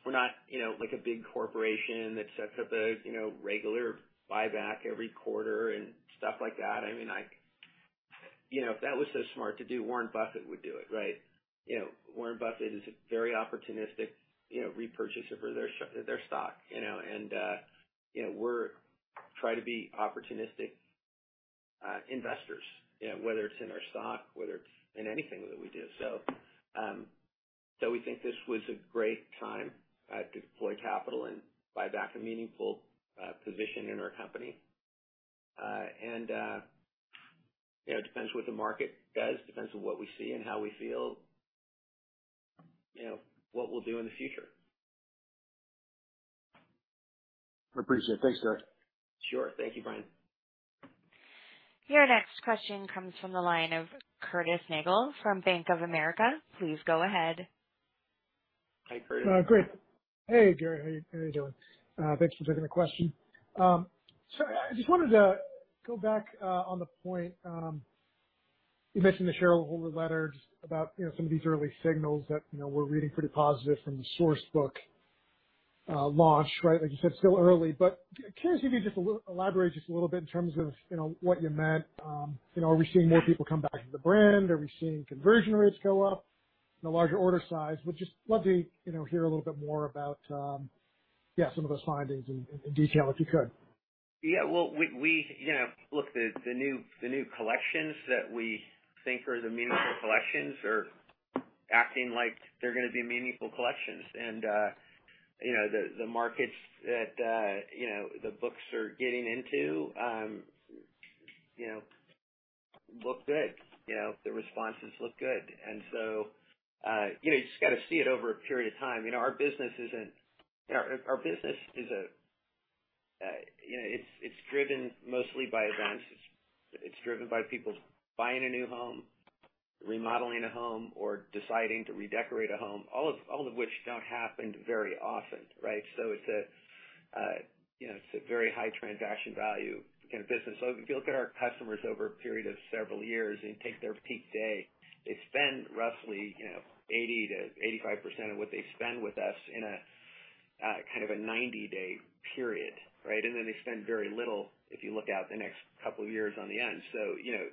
We're not, you know, like a big corporation that sets up a, you know, regular buyback every quarter and stuff like that. I mean, I, you know, if that was so smart to do, Warren Buffett would do it, right? You know, Warren Buffett is a very opportunistic, you know, repurchaser for their stock, you know, and, you know, we're try to be opportunistic, investors, you know, whether it's in our stock, whether it's in anything that we do. So, so we think this was a great time, to deploy capital and buy back a meaningful, position in our company. And, you know, it depends what the market does, depends on what we see and how we feel, you know, what we'll do in the future. I appreciate it. Thanks, Gary. Sure. Thank you, Brian. Your next question comes from the line of Curtis Nagle from Bank of America. Please go ahead. Hi, Curtis. Great. Hey, Gary, how are you doing? Thanks for taking the question. So I just wanted to go back on the point you mentioned the shareholder letter just about, you know, some of these early signals that, you know, we're reading pretty positive from the Source Book launch, right? Like you said, still early, but can you just elaborate just a little bit in terms of, you know, what you meant? You know, are we seeing more people come back to the brand? Are we seeing conversion rates go up and a larger order size? Would just love to, you know, hear a little bit more about yeah, some of those findings in detail, if you could. Yeah, well, we, you know, look, the new collections that we think are the meaningful collections are acting like they're gonna be meaningful collections. And, you know, the markets that, you know, the books are getting into, you know, look good. You know, the responses look good. And so, you know, you just got to see it over a period of time. You know, our business isn't... Our business is a, you know, it's driven mostly by events. It's driven by people buying a new home, remodeling a home, or deciding to redecorate a home, all of which don't happen very often, right? So it's a, you know, it's a very high transaction value in business. So if you look at our customers over a period of several years and take their peak day, they spend roughly, you know, 80%-85% of what they spend with us in a kind of a 90-day period, right? And then they spend very little, if you look out the next couple of years on the end. So, you know,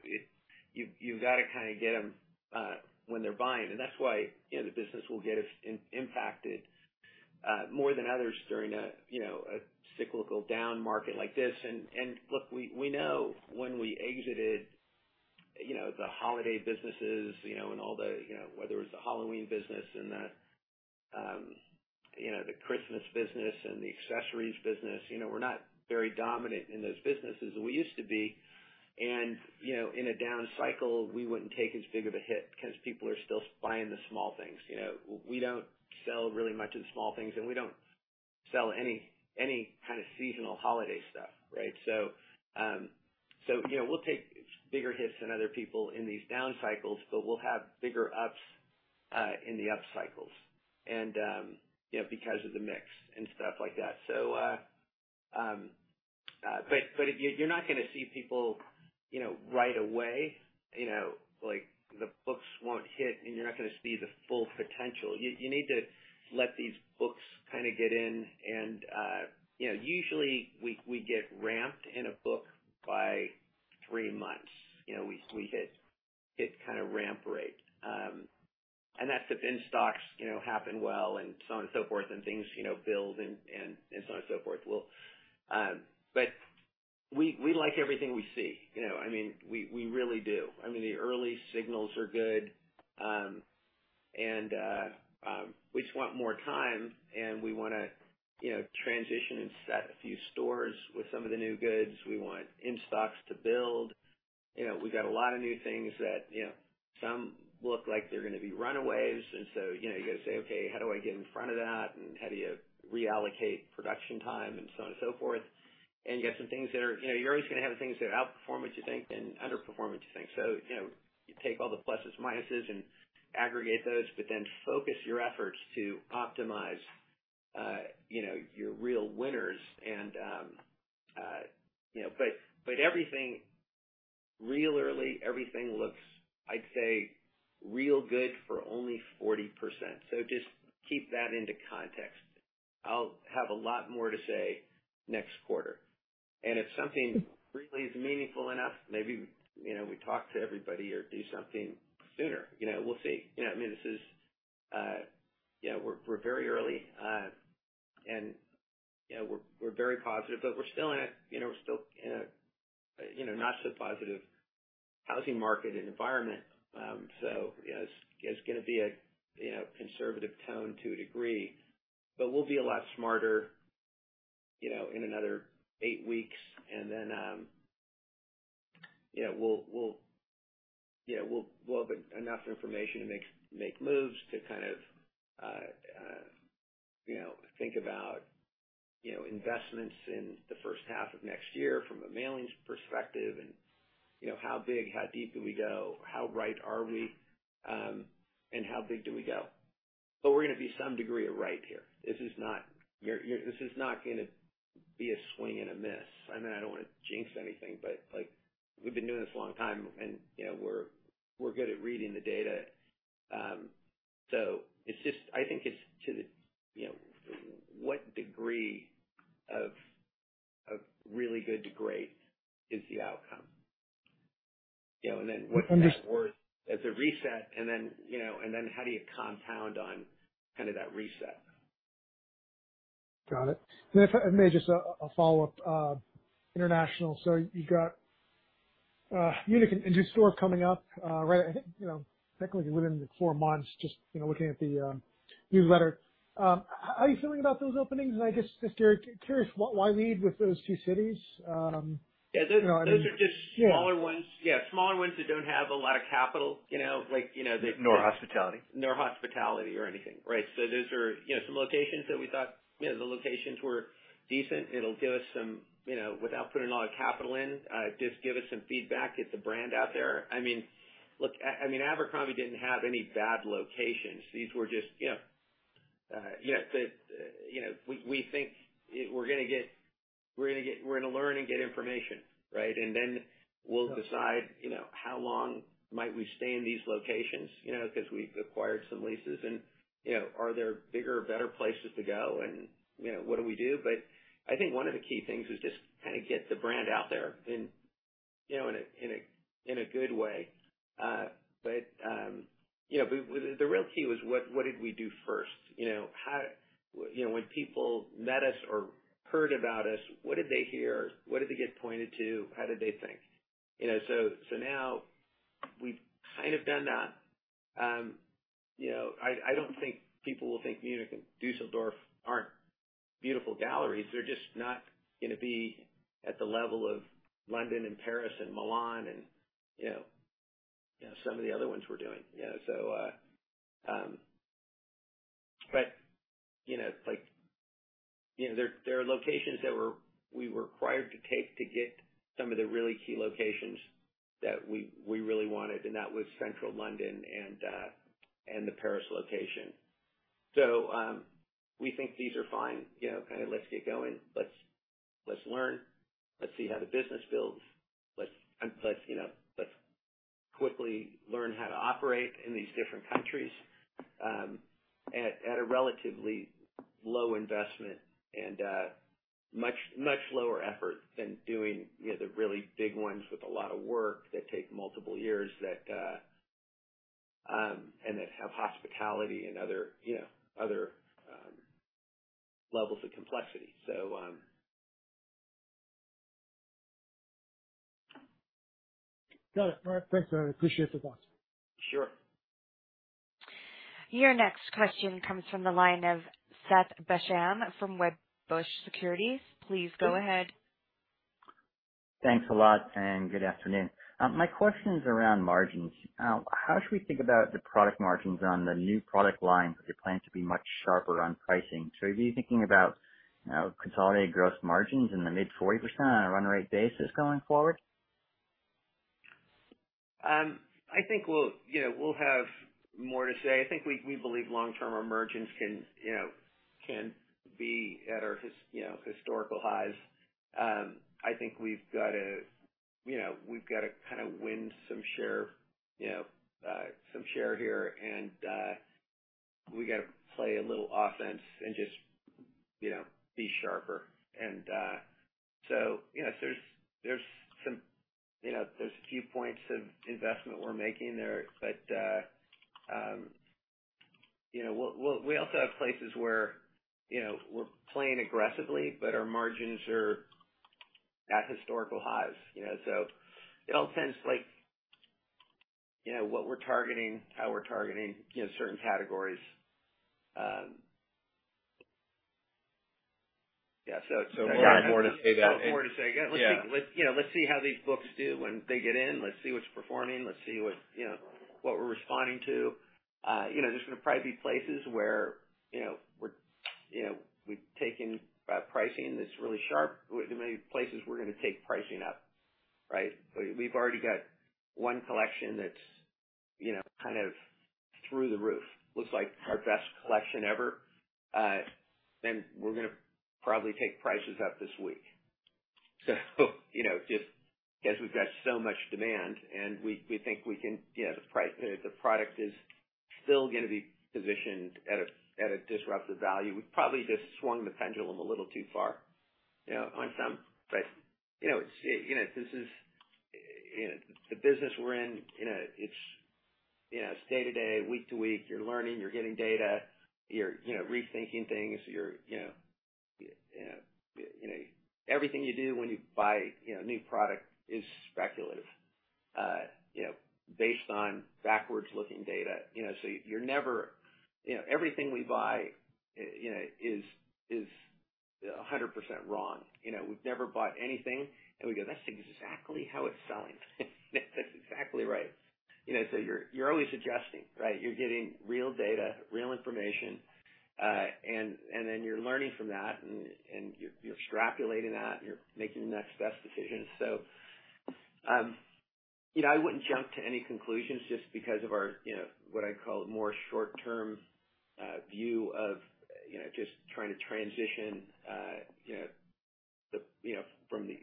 you've got to kind of get them when they're buying, and that's why, you know, the business will get us impacted more than others during a, you know, a cyclical down market like this. And look, we know when we exited, you know, the holiday businesses, you know, and all the, you know, whether it's the Halloween business and the Christmas business and the accessories business, you know, we're not very dominant in those businesses. We used to be and, you know, in a down cycle, we wouldn't take as big of a hit because people are still buying the small things. You know, we don't sell really much in small things, and we don't sell any kind of seasonal holiday stuff, right? So, you know, we'll take bigger hits than other people in these down cycles, but we'll have bigger ups in the up cycles and, you know, because of the mix and stuff like that. So, but you're not gonna see people, you know, right away, you know, like the books won't hit, and you're not gonna see the full potential. You need to let these books kind of get in and, you know, usually we get ramped in a book by three months. You know, we hit kind of ramp rate, and that's if in-stocks, you know, happen well and so on and so forth, and things, you know, build and so on and so forth. Well, but we like everything we see. You know, I mean, we really do. I mean, the early signals are good, and we just want more time, and we wanna, you know, transition and set a few stores with some of the new goods. We want in-stocks to build. You know, we've got a lot of new things that, you know, some look like they're gonna be runaways, and so, you know, you got to say: Okay, how do I get in front of that? And how do you reallocate production time? And so on and so forth. You have some things that are... You know, you're always gonna have the things that outperform what you think and underperform what you think. So, you know, you take all the pluses, minuses, and aggregate those, but then focus your efforts to optimize, you know, your real winners and, you know, but everything, real early, everything looks, I'd say, real good for only 40%. So just keep that into context. I'll have a lot more to say next quarter, and if something really is meaningful enough, maybe, you know, we talk to everybody or do something sooner. You know, we'll see. You know, I mean, this is... You know, we're very early, and, you know, we're very positive, but we're still in a, you know, not so positive housing market and environment. So, you know, it's gonna be a, you know, conservative tone to a degree, but we'll be a lot smarter, you know, in another eight weeks, and then, you know, we'll have enough information to make moves to kind of, you know, think about, you know, investments in the first half of next year from a mailing perspective and, you know, how big, how deep do we go? How right are we? And how big do we go? But we're gonna be some degree of right here. This is not – this is not gonna be a swing and a miss. I mean, I don't want to jinx anything, but, like, we've been doing this a long time and, you know, we're good at reading the data. I think it's to the, you know, what degree of really good to great is the outcome? You know, and then what's that worth as a reset, and then, you know, and then how do you compound on kind of that reset? Got it. And if I may, just a follow-up, international. So you've got, Munich and Düsseldorf coming up, right, I think, you know, technically within four months, just, you know, looking at the, newsletter. How are you feeling about those openings? I guess, just curious, why lead with those two cities? Yeah, those are just- Yeah. Smaller ones. Yeah, smaller ones that don't have a lot of capital, you know, like, you know, the- No hospitality. No hospitality or anything, right? So those are, you know, some locations that we thought, you know, the locations were decent. It'll give us some, you know, without putting a lot of capital in, just give us some feedback, get the brand out there. I mean, look, I mean, Abercrombie didn't have any bad locations. These were just, you know, but, you know, we think we're gonna get-- we're gonna learn and get information, right? And then we'll decide, you know, how long might we stay in these locations, you know, because we've acquired some leases and, you know, are there bigger, better places to go, and, you know, what do we do? But I think one of the key things is just kind of get the brand out there and, you know, in a good way. But the real key was: What did we do first? You know, when people met us or heard about us, what did they hear? What did they get pointed to? How did they think? You know, so now we've kind of done that. You know, I don't think people will think Munich and Düsseldorf aren't beautiful galleries. They're just not gonna be at the level of London and Paris and Milan and, you know, some of the other ones we're doing, you know. So, but you know, like, you know, there are locations that we were required to take to get some of the really key locations that we really wanted, and that was central London and the Paris location. So, we think these are fine, you know, kind of, let's get going. Let's learn. Let's see how the business builds. Let's, you know, quickly learn how to operate in these different countries at a relatively low investment and much, much lower effort than doing, you know, the really big ones with a lot of work that take multiple years and that have hospitality and other, you know, other levels of complexity. So. Got it. All right. Thanks, I appreciate the thoughts. Sure. Your next question comes from the line of Seth Basham from Wedbush Securities. Please go ahead. Thanks a lot, and good afternoon. My question is around margins. How should we think about the product margins on the new product line, if you plan to be much sharper on pricing? So are you thinking about consolidated gross margins in the mid-40% on a run rate basis going forward? I think we'll, you know, we'll have more to say. I think we believe long-term emergence can, you know, can be at our historical highs. I think we've got to, you know, we've got to kind of win some share, you know, some share here, and we got to play a little offense and just, you know, be sharper. So, you know, there's some, you know, there's a few points of investment we're making there, but, you know, we'll, we'll, we also have places where, you know, we're playing aggressively, but our margins are at historical highs, you know. So it all tends like, you know, what we're targeting, how we're targeting, you know, certain categories. Yeah, so- So, more to say that- More to say. Yeah- Yeah. Let's, you know, let's see how these books do when they get in. Let's see what's performing. Let's see what, you know, what we're responding to. You know, there's gonna probably be places where, you know, we're, you know, we've taken pricing that's really sharp. There may be places we're gonna take pricing up, right? We've already got one collection that's, you know, kind of through the roof. Looks like our best collection ever, and we're gonna probably take prices up this week. So, you know, just because we've got so much demand, and we, we think we can, you know, the product is still gonna be positioned at a, at a disruptive value. We've probably just swung the pendulum a little too far, you know, on some. But, you know, it's, you know, this is, you know, the business we're in, you know, it's, you know, it's day to day, week to week. You're learning, you're getting data, you're, you know, rethinking things. You're, you know, you know, everything you do when you buy, you know, new product is speculative, you know, based on backwards-looking data, you know, so you're never... You know, everything we buy, you know, is 100% wrong. You know, we've never bought anything, and we go: That's exactly how it's selling. That's exactly right. You know, so you're always adjusting, right? You're getting real data, real information, and then you're learning from that, and you're extrapolating that, and you're making the next best decision. So, you know, I wouldn't jump to any conclusions just because of our, you know, what I call more short-term view of, you know, just trying to transition, you know, the, you know, from the,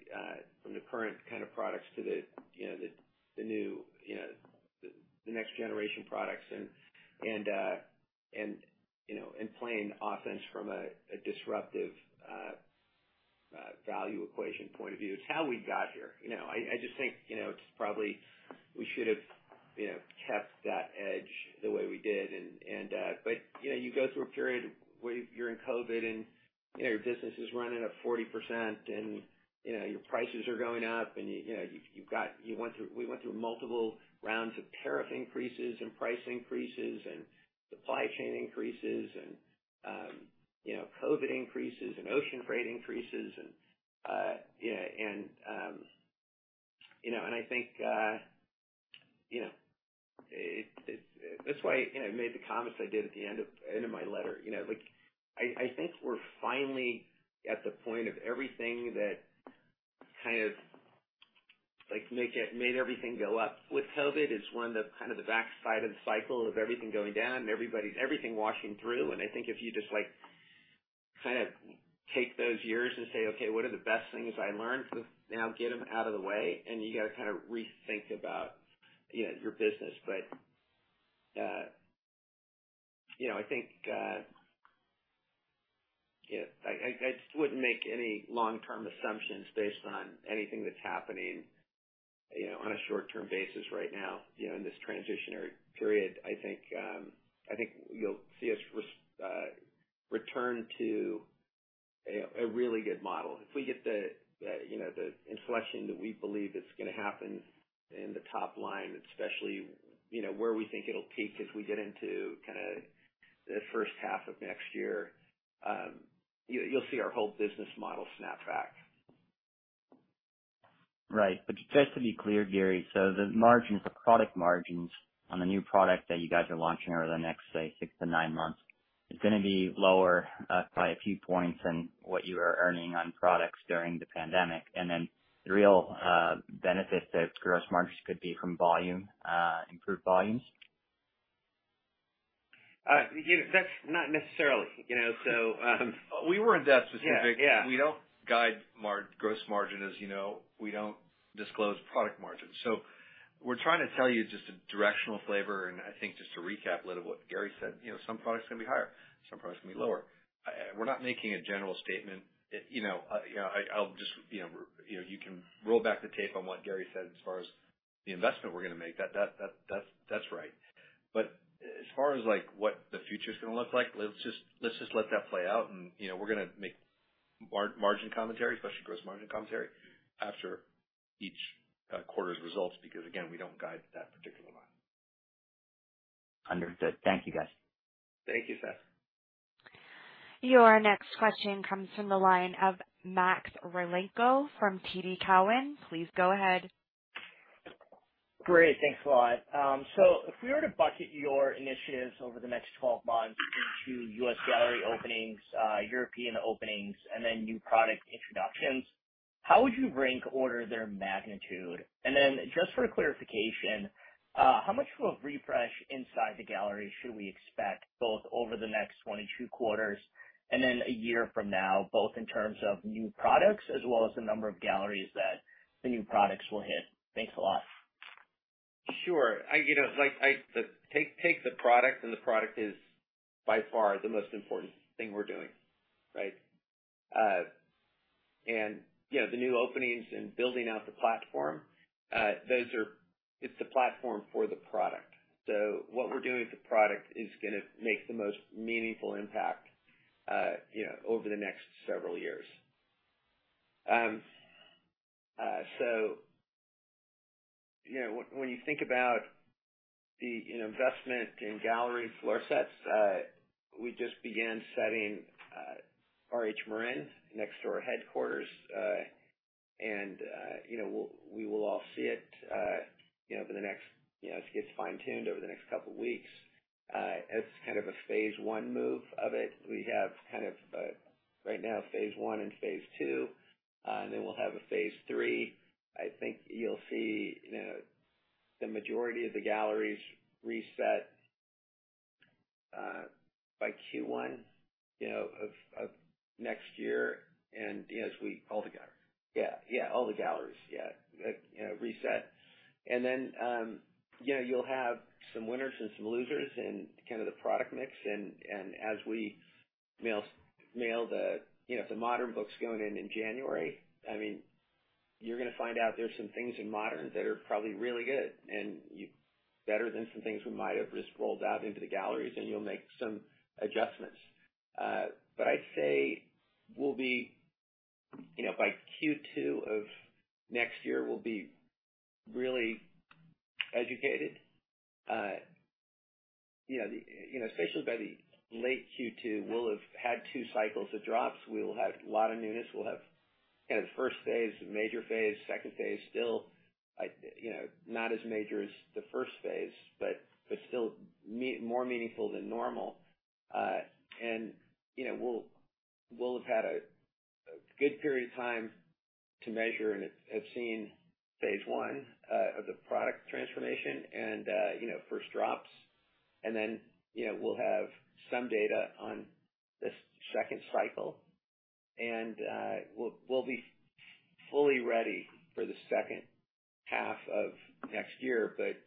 from the current kind of products to the, you know, the, the new, you know, the next generation products and, and, and, you know, and playing offense from a, a disruptive value equation point of view. It's how we got here. You know, I just think, you know, it's probably we should have, you know, kept that edge the way we did and, and... But, you know, you go through a period where you're in COVID and, you know, your business is running at 40% and, you know, your prices are going up, and, you know, you went through, we went through multiple rounds of tariff increases and price increases and supply chain increases and, you know, COVID increases and ocean freight increases and, you know, and, you know, and I think, you know, it. That's why, you know, I made the comments I did at the end of my letter, you know. Like I think we're finally at the point of everything that kind of like made everything go up with COVID is one, the kind of the backside of the cycle of everything going down and everybody's... Everything washing through, and I think if you just, like, kind of take those years and say: Okay, what are the best things I learned? Let's now get them out of the way. And you got to kind of rethink about, you know, your business. But you know, I think you know, I just wouldn't make any long-term assumptions based on anything that's happening, you know, on a short-term basis right now, you know, in this transitionary period. I think I think you'll see us return to a really good model. If we get the, the, you know, the inflection that we believe is gonna happen in the top line, especially, you know, where we think it'll peak as we get into kind of the first half of next year, you'll see our whole business model snap back. Right. But just to be clear, Gary, so the margins, the product margins on the new product that you guys are launching over the next, say, six to nine months, it's gonna be lower by a few points than what you are earning on products during the pandemic. And then the real benefit to gross margins could be from volume, improved volumes? You know, that's not necessarily, you know, so, We were in that specific- Yeah, yeah. We don't guide gross margin, as you know, we don't disclose product margins. So we're trying to tell you just a directional flavor. And I think just to recap a little what Gary said, you know, some products are going to be higher, some products are going to be lower. We're not making a general statement. You know, I, I'll just, you know, you can roll back the tape on what Gary said as far as the investment we're going to make. That's right. But as far as, like, what the future is going to look like, let's just let that play out and, you know, we're going to make margin commentary, especially gross margin commentary, after each quarter's results, because, again, we don't guide that particular line. Understood. Thank you, guys. Thank you, Seth. Your next question comes from the line of Max Rakhlenko from TD Cowen. Please go ahead. Great. Thanks a lot. If we were to bucket your initiatives over the next 12 months into U.S. gallery openings, European openings, and then new product introductions, how would you rank order their magnitude? Then, just for clarification, how much of a refresh inside the gallery should we expect, both over the next 1-2 quarters and then a year from now, both in terms of new products as well as the number of galleries that the new products will hit? Thanks a lot. Sure. You know, like, take the product, and the product is by far the most important thing we're doing, right? And, you know, the new openings and building out the platform, those are, it's the platform for the product. So what we're doing with the product is gonna make the most meaningful impact, you know, over the next several years. So, you know, when you think about the investment in gallery floor sets, we just began setting RH Marin next to our headquarters. And, you know, we'll all see it, you know, over the next... You know, as it gets fine-tuned over the next couple of weeks, as kind of a phase one move of it. We have kind of, right now, phase one and phase two, and then we'll have a phase three. I think you'll see, you know, the majority of the galleries reset, by Q1, you know, of next year. And as we- All the galleries. Yeah. Yeah, all the galleries, yeah, you know, reset. And then, you know, you'll have some winners and some losers in kind of the product mix. And, and as we nail, nail the, you know, the Modern books going in in January, I mean, you're going to find out there's some things in Modern that are probably really good and you-- better than some things we might have just rolled out into the galleries, and you'll make some adjustments. But I'd say we'll be, you know, by Q2 of next year, we'll be really educated. You know, you know, especially by the late Q2, we'll have had two cycles of drops. We will have a lot of newness. We'll have kind of first phase, a major phase, second phase, still. I, you know, not as major as the first phase, but, but still more meaningful than normal. And, you know, we'll have had a good period of time to measure and have seen phase one of the product transformation and, you know, first drops, and then, you know, we'll have some data on this second cycle, and we'll be fully ready for the second half of next year. But,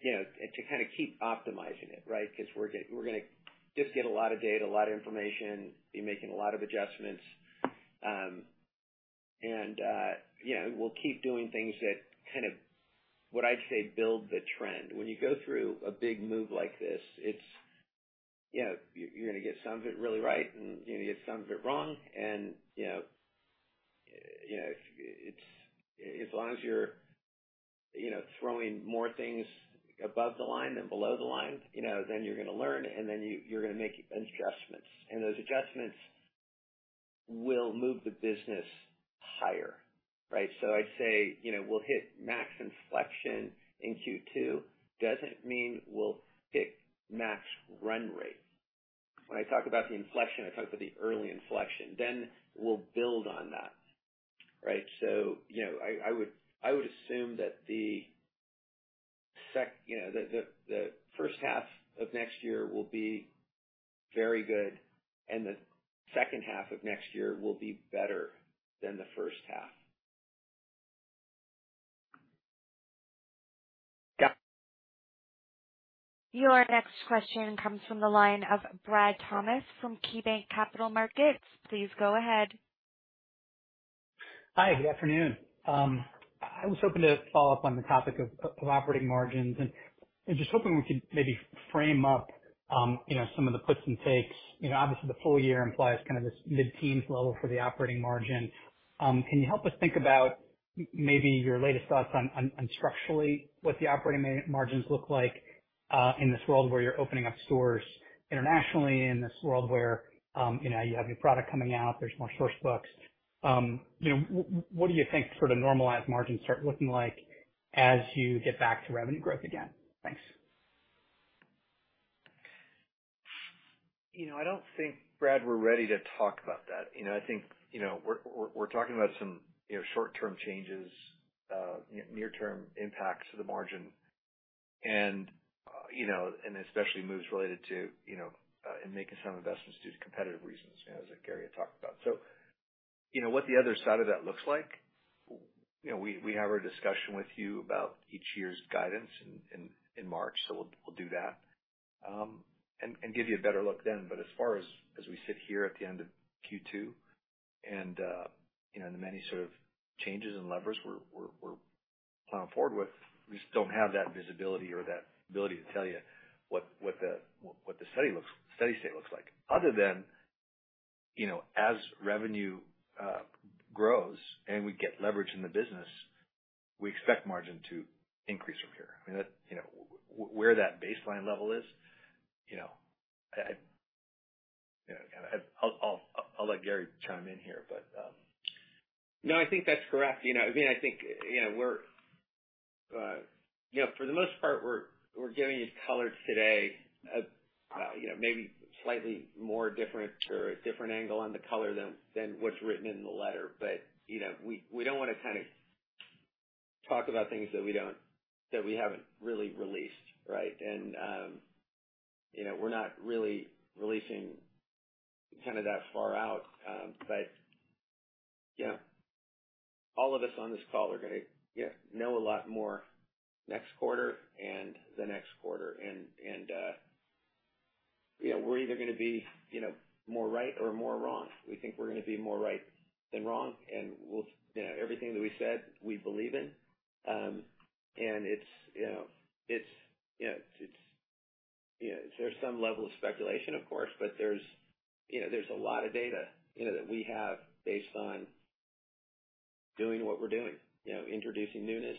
you know, and to kind of keep optimizing it, right? Because we're going to just get a lot of data, a lot of information, be making a lot of adjustments. And, you know, we'll keep doing things that kind of, what I'd say, build the trend. When you go through a big move like this, it's... You know, you're going to get some of it really right, and you're going to get some of it wrong. You know, you know, it's—as long as you're, you know, throwing more things above the line than below the line, you know, then you're going to learn, and then you, you're going to make adjustments, and those adjustments will move the business higher, right? So I'd say, you know, we'll hit max inflection in Q2. Doesn't mean we'll hit max run rate. When I talk about the inflection, I talk about the early inflection, then we'll build on that, right? So, you know, I would assume that the first half of next year will be very good, and the second half of next year will be better than the first half. Yeah. Your next question comes from the line of Brad Thomas from KeyBanc Capital Markets. Please go ahead. Hi, good afternoon. I was hoping to follow up on the topic of operating margins and just hoping we could maybe frame up, you know, some of the puts and takes. You know, obviously, the full year implies kind of this mid-teens level for the operating margin. Can you help us think about maybe your latest thoughts on structurally, what the operating margins look like, in this world where you're opening up stores internationally, in this world where, you know, you have new product coming out, there's more Source Books. You know, what do you think sort of normalized margins start looking like as you get back to revenue growth again? Thanks. You know, I don't think, Brad, we're ready to talk about that. You know, I think, you know, we're talking about some, you know, short-term changes, near-term impacts to the margin, and, you know, and especially moves related to, you know, and making some investments due to competitive reasons, you know, as Gary had talked about. So, you know, what the other side of that looks like, you know, we have our discussion with you about each year's guidance in March, so we'll do that, and give you a better look then. But as far as, as we sit here at the end of Q2 and, you know, the many sort of changes and levers we're planning forward with, we just don't have that visibility or that ability to tell you what the steady state looks like, other than, you know, as revenue grows and we get leverage in the business, we expect margin to increase from here. I mean, that, you know, where that baseline level is, you know, I, you know... I'll let Gary chime in here, but. No, I think that's correct. You know, again, I think, you know, we're, we're giving you colors today, you know, maybe slightly more different or a different angle on the color than, than what's written in the letter. But, you know, we, we don't want to kind of talk about things that we don't, that we haven't really released, right? And, you know, we're not really releasing kind of that far out. But, you know, all of us on this call are gonna, you know, know a lot more next quarter and the next quarter, and, and, you know, we're either gonna be, you know, more right or more wrong. We think we're gonna be more right than wrong, and we'll you know, everything that we said, we believe in. And it's, you know, it's, you know, it's, you know, there's some level of speculation, of course, but there's, you know, there's a lot of data, you know, that we have based on doing what we're doing, you know, introducing newness,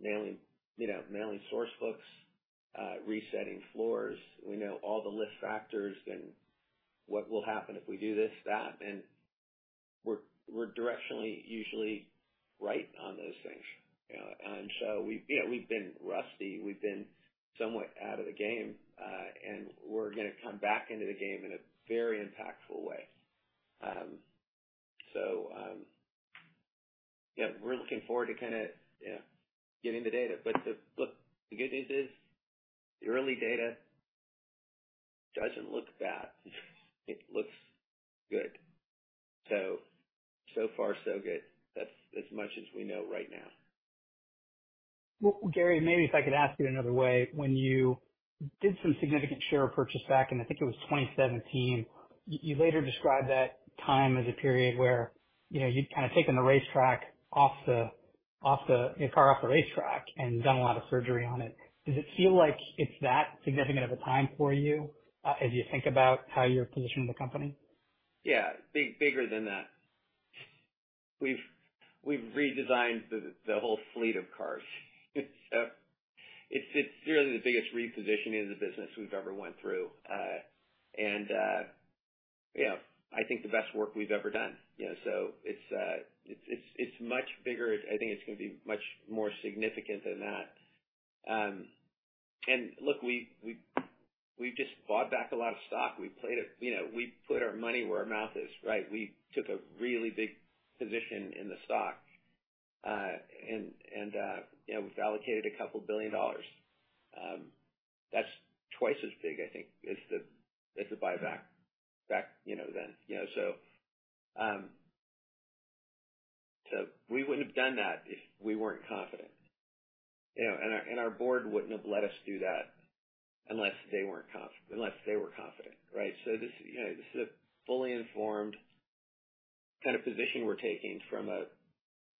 nailing, you know, nailing Source Books, resetting floors. We know all the lift factors and what will happen if we do this, that, and we're directionally usually right on those things, you know? And so we've, you know, we've been rusty, we've been somewhat out of the game, and we're gonna come back into the game in a very impactful way. So, yeah, we're looking forward to kind of, you know, getting the data. But the look, the good news is the early data doesn't look bad. It looks good. So, so far, so good. That's as much as we know right now. Well, Gary, maybe if I could ask you another way. When you did some significant share purchase back in, I think it was 2017, you later described that time as a period where, you know, you'd kind of taken your car off the racetrack and done a lot of surgery on it. Does it feel like it's that significant of a time for you, as you think about how you're positioning the company? Yeah, bigger than that. We've redesigned the whole fleet of cars. So it's really the biggest repositioning of the business we've ever went through. And you know, I think the best work we've ever done. You know, so it's much bigger. I think it's gonna be much more significant than that. And look, we've just bought back a lot of stock. We've played it... You know, we've put our money where our mouth is, right? We took a really big position in the stock, and you know, we've allocated $2 billion. That's twice as big, I think, as the buyback back then, you know. So, so we wouldn't have done that if we weren't confident, you know, and our, and our board wouldn't have let us do that unless they were confident, right? So this, you know, this is a fully informed kind of position we're taking from a,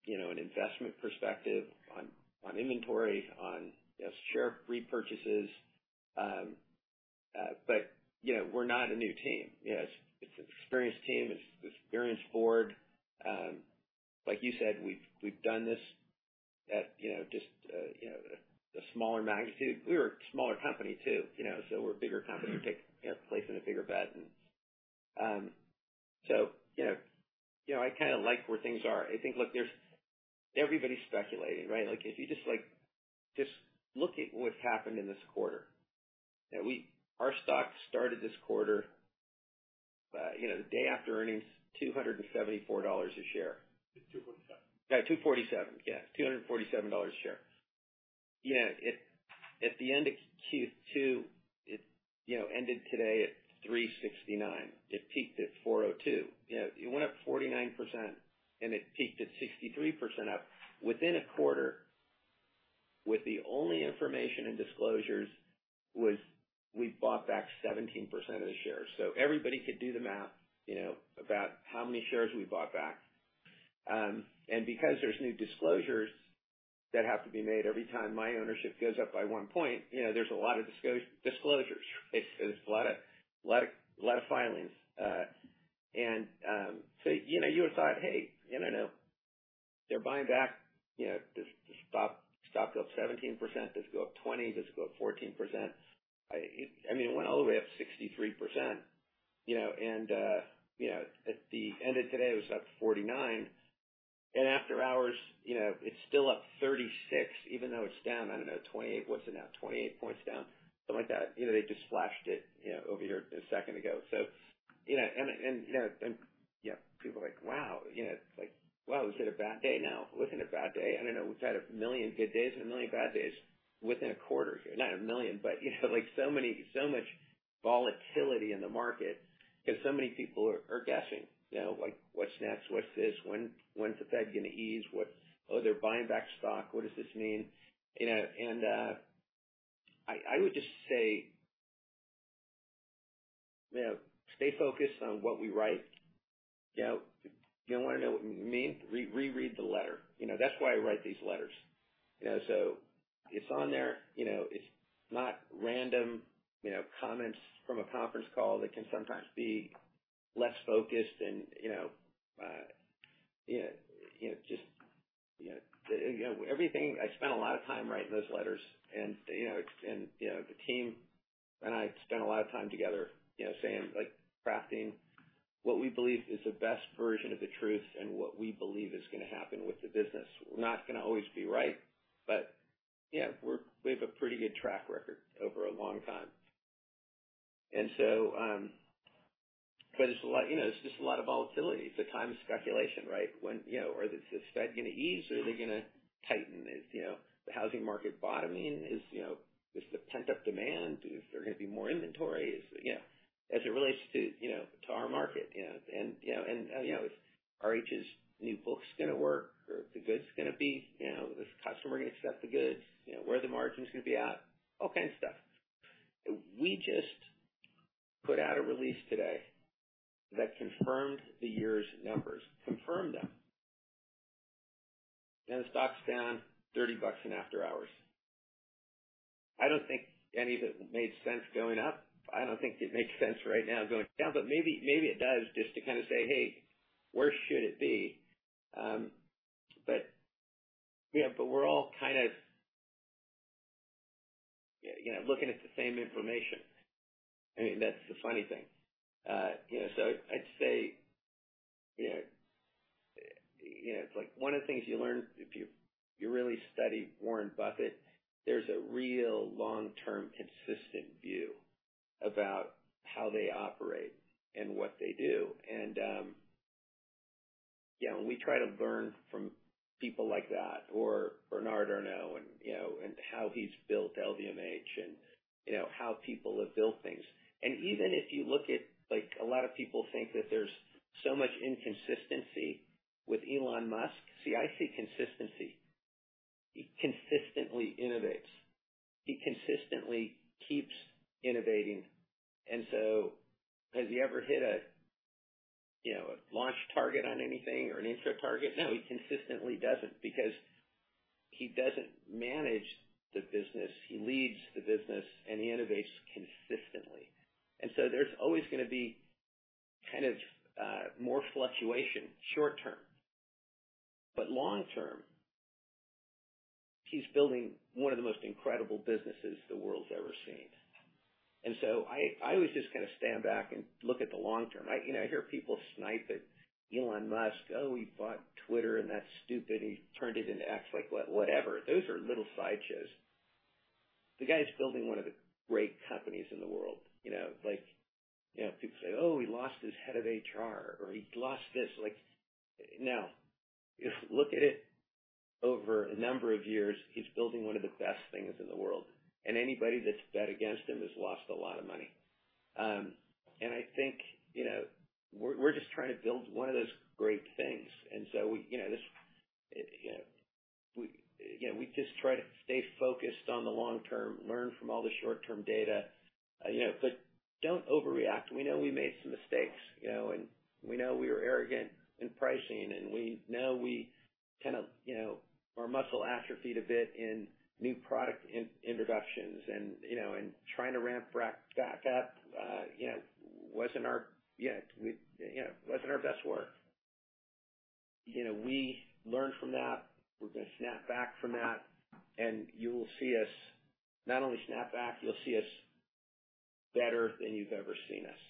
you know, an investment perspective on, on inventory, on, you know, share repurchases. But, you know, we're not a new team. You know, it's, it's an experienced team, it's an experienced board. Like you said, we've, we've done this at, you know, just, you know, at a smaller magnitude. We were a smaller company, too, you know, so we're a bigger company taking, you know, placing a bigger bet. So, you know, I kind of like where things are. I think, look, there's... Everybody's speculating, right? Like, if you just, like, just look at what's happened in this quarter. You know, we, our stock started this quarter, you know, the day after earnings, $274 a share. Two forty-seven. Yeah, 247. Yeah, $247 a share. You know, at the end of Q2, it, you know, ended today at 369. It peaked at 402. You know, it went up 49%, and it peaked at 63% up within a quarter, with the only information and disclosures was we bought back 17% of the shares. So everybody could do the math, you know, about how many shares we bought back. And because there's new disclosures that have to be made every time my ownership goes up by 1%, you know, there's a lot of disclosures. It's, there's a lot of, lot of, lot of filings. And, so, you know, you would thought, "Hey, you know, they're buying back, you know, this, the stock, stock go up 17%, does it go up 20%? Does it go up 14%?" I mean, it went all the way up 63%, you know, and, you know, at the end of today, it was up 49%.... and after hours, you know, it's still up 36%, even though it's down, I don't know, 28. What's it now? 28 points down, something like that. You know, they just flashed it, you know, over here a second ago. So, you know, and, and, you know, and yeah, people are like, "Wow!" You know, it's like, wow, is it a bad day now? Was it a bad day? I don't know. We've had a million good days and a million bad days within a quarter here. Not a million, but, you know, like so many, so much volatility in the market, because so many people are guessing, you know, like, what's next? What's this? When, when's the Fed gonna ease? What... Oh, they're buying back stock. What does this mean? You know, and, I would just say, you know, stay focused on what we write. You know, you want to know what we mean? Reread the letter. You know, that's why I write these letters. You know, so it's on there. You know, it's not random, you know, comments from a conference call that can sometimes be less focused and, you know, you know, you know, just, you know, everything... I spent a lot of time writing those letters, and, you know, and, you know, the team and I spent a lot of time together, you know, saying, like, crafting what we believe is the best version of the truth and what we believe is going to happen with the business. We're not going to always be right, but yeah, we have a pretty good track record over a long time. And so, but it's a lot, you know, it's just a lot of volatility. It's a time of speculation, right? When, you know, are the, is the Fed going to ease, or are they going to tighten? Is, you know, the housing market bottoming? Is, you know, is the pent-up demand, is there going to be more inventory? Is, you know, as it relates to, you know, to our market, you know, and, you know, and, you know, is RH's new books going to work, or if the goods are going to be, you know, is the customer going to accept the goods? You know, where are the margins going to be at? All kinds of stuff. We just put out a release today that confirmed the year's numbers, confirmed them, and the stock's down $30 in after hours. I don't think any of it made sense going up. I don't think it makes sense right now going down, but maybe, maybe it does, just to kind of say, "Hey, where should it be?" but, yeah, but we're all kind of, you know, looking at the same information. I mean, that's the funny thing. you know, so I'd say, you know, you know, it's like one of the things you learn if you, you really study Warren Buffett, there's a real long-term, consistent view about how they operate and what they do. And, you know, we try to learn from people like that or Bernard Arnault and, you know, and how he's built LVMH and, you know, how people have built things. Even if you look at, like, a lot of people think that there's so much inconsistency with Elon Musk. See, I see consistency. He consistently innovates. He consistently keeps innovating, and so has he ever hit a, you know, a launch target on anything or an intra target? No, he consistently doesn't, because he doesn't manage the business. He leads the business, and he innovates consistently. And so there's always gonna be kind of more fluctuation short term, but long term, he's building one of the most incredible businesses the world's ever seen. And so I, I always just kind of stand back and look at the long term. I, you know, I hear people snipe at Elon Musk. "Oh, he bought Twitter, and that's stupid. He turned it into X," like, whatever. Those are little sideshows. The guy is building one of the great companies in the world, you know, like, you know, people say: "Oh, he lost his head of HR, or he lost this." Like, now, if you look at it over a number of years, he's building one of the best things in the world, and anybody that's bet against him has lost a lot of money. And I think, you know, we're, we're just trying to build one of those great things. And so we, you know, this, you know, we... Again, we just try to stay focused on the long term, learn from all the short-term data, you know, but don't overreact. We know we made some mistakes, you know, and we know we were arrogant in pricing, and we know we kind of, you know, our muscle atrophied a bit in new product introductions and, you know, and trying to ramp back up, you know, wasn't our best work. You know, we learned from that. We're going to snap back from that, and you will see us not only snap back, you'll see us better than you've ever seen us.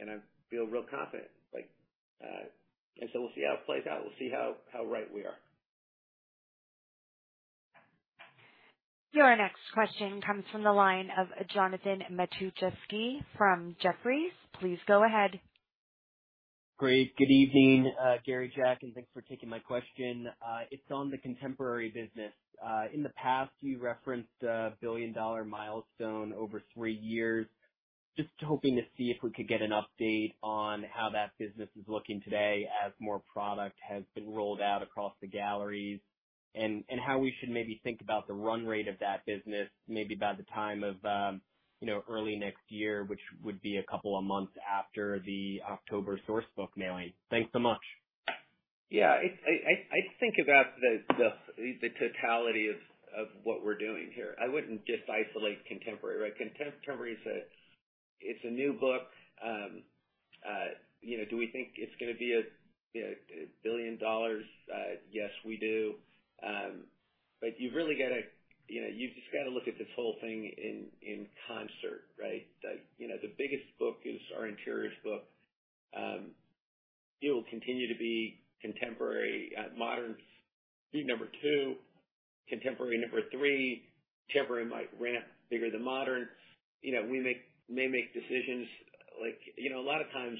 And I feel real confident, like. So we'll see how it plays out. We'll see how, how right we are. Your next question comes from the line of Jonathan Matuszewski from Jefferies. Please go ahead. Great. Good evening, Gary, Jack, and thanks for taking my question. It's on the Contemporary business. In the past, you referenced a billion-dollar milestone over three years. Just hoping to see if we could get an update on how that business is looking today as more product has been rolled out across the galleries, and, and how we should maybe think about the run rate of that business, maybe by the time of, you know, early next year, which would be a couple of months after the October Source Book mailing. Thanks so much. Yeah, I think about the totality of what we're doing here. I wouldn't just isolate Contemporary, right? Contemporary is a new book. Do we think it's going to be a billion dollars? Yes, we do. You really gotta, you know, you just gotta look at this whole thing in concert, right? The biggest book is our Interiors book. It will continue to be Contemporary, Modern be number two, Contemporary number three. Contemporary might ramp bigger than Modern. We may make decisions like... You know, a lot of times,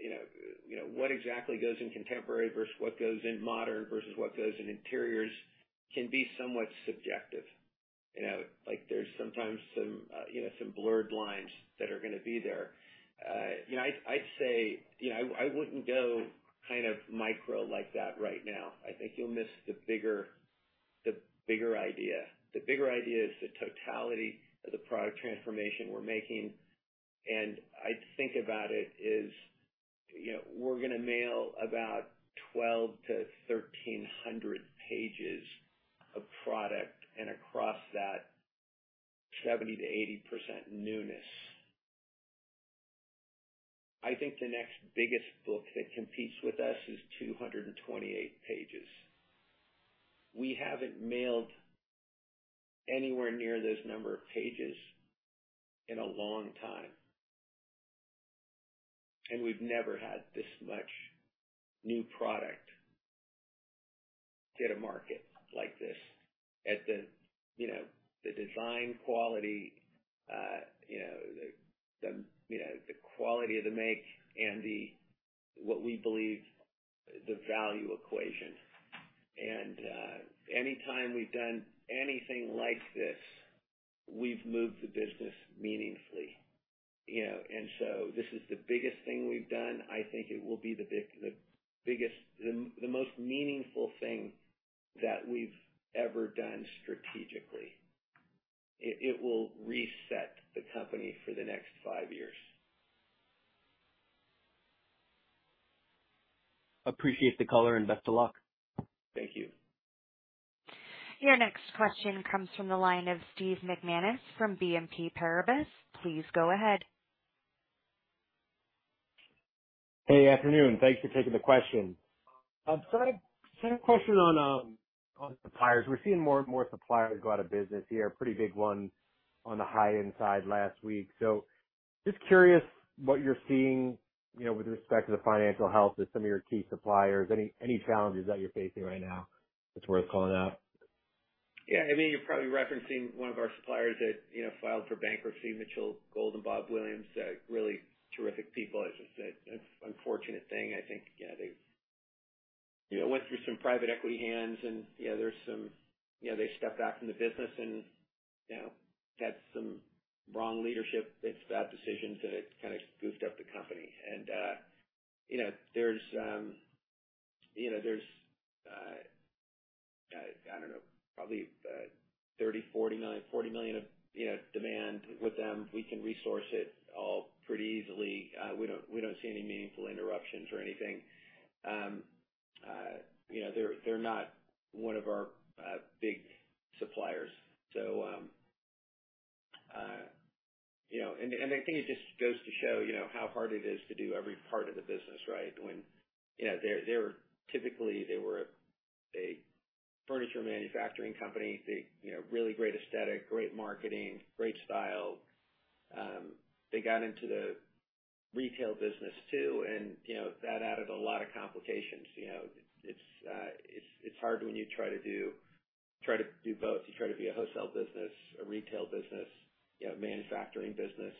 you know, what exactly goes in Contemporary versus what goes in Modern versus what goes in Interiors can be somewhat subjective. You know, like there's sometimes some blurred lines that are gonna be there. You know, I'd say, you know, I wouldn't go kind of micro like that right now. I think you'll miss the bigger, the bigger idea. The bigger idea is the totality of the product transformation we're making, and I think about it is, you know, we're gonna mail about 1,200-1,300 pages of product, and across that, 70%-80% newness. I think the next biggest book that competes with us is 228 pages. We haven't mailed anywhere near this number of pages in a long time. And we've never had this much new product hit a market like this at the, you know, the design quality, you know, the quality of the make and the, what we believe, the value equation. Anytime we've done anything like this, we've moved the business meaningfully, you know, and so this is the biggest thing we've done. I think it will be the biggest... The most meaningful thing that we've ever done strategically. It will reset the company for the next five years. Appreciate the color, and best of luck. Thank you. Your next question comes from the line of Stephen McManus from BNP Paribas. Please go ahead. Hey, afternoon. Thanks for taking the question. So I had a question on, on suppliers. We're seeing more and more suppliers go out of business here, a pretty big one on the high-end side last week. So just curious what you're seeing, you know, with respect to the financial health of some of your key suppliers. Any, any challenges that you're facing right now that's worth calling out? Yeah, I mean, you're probably referencing one of our suppliers that, you know, filed for bankruptcy, Mitchell Gold + Bob Williams. Really terrific people. It's just an unfortunate thing. I think, you know, they, you know, went through some private equity hands and, you know, there's some. You know, they stepped back from the business and, you know, had some wrong leadership, made some bad decisions, and it kind of goofed up the company. And, you know, there's, you know, there's, I don't know, probably 30-40 million of, you know, demand with them. We can resource it all pretty easily. We don't, we don't see any meaningful interruptions or anything. You know, they're, they're not one of our big suppliers. So, you know, I think it just goes to show, you know, how hard it is to do every part of the business, right? When, you know, they were typically a furniture manufacturing company. They, you know, really great aesthetic, great marketing, great style. They got into the retail business, too, and, you know, that added a lot of complications. You know, it's hard when you try to do both. You try to be a wholesale business, a retail business, you know, manufacturing business.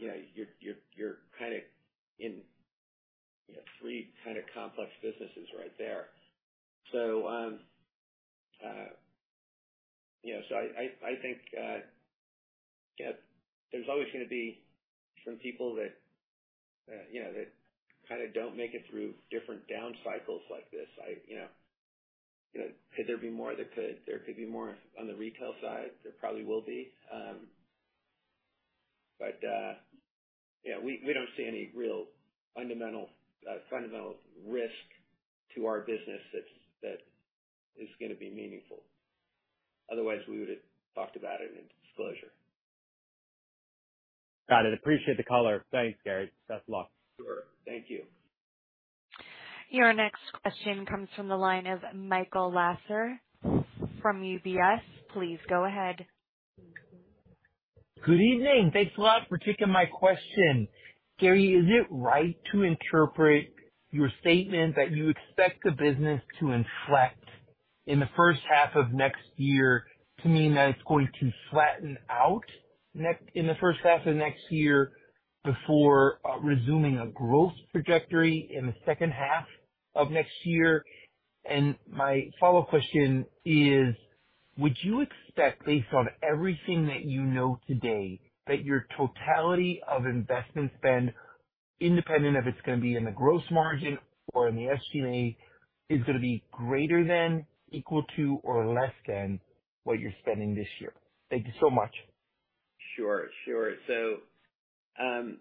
You know, you're kind of in, you know, three kind of complex businesses right there. So, you know, I think, you know, there's always gonna be some people that, you know, that kind of don't make it through different down cycles like this. You know, could there be more? There could. There could be more on the retail side. There probably will be. But, yeah, we, we don't see any real fundamental, fundamental risk to our business that's, that is gonna be meaningful. Otherwise, we would've talked about it in disclosure. Got it. Appreciate the color. Thanks, Gary. Best of luck. Sure. Thank you. Your next question comes from the line of Michael Lasser from UBS. Please go ahead. Good evening. Thanks a lot for taking my question. Gary, is it right to interpret your statement that you expect the business to inflect in the first half of next year, to mean that it's going to flatten out in the first half of next year, before resuming a growth trajectory in the second half of next year? And my follow-up question is: Would you expect, based on everything that you know today, that your totality of investment spend, independent of it's gonna be in the gross margin or in the SG&A, is gonna be greater than, equal to, or less than what you're spending this year? Thank you so much. Sure, sure. So,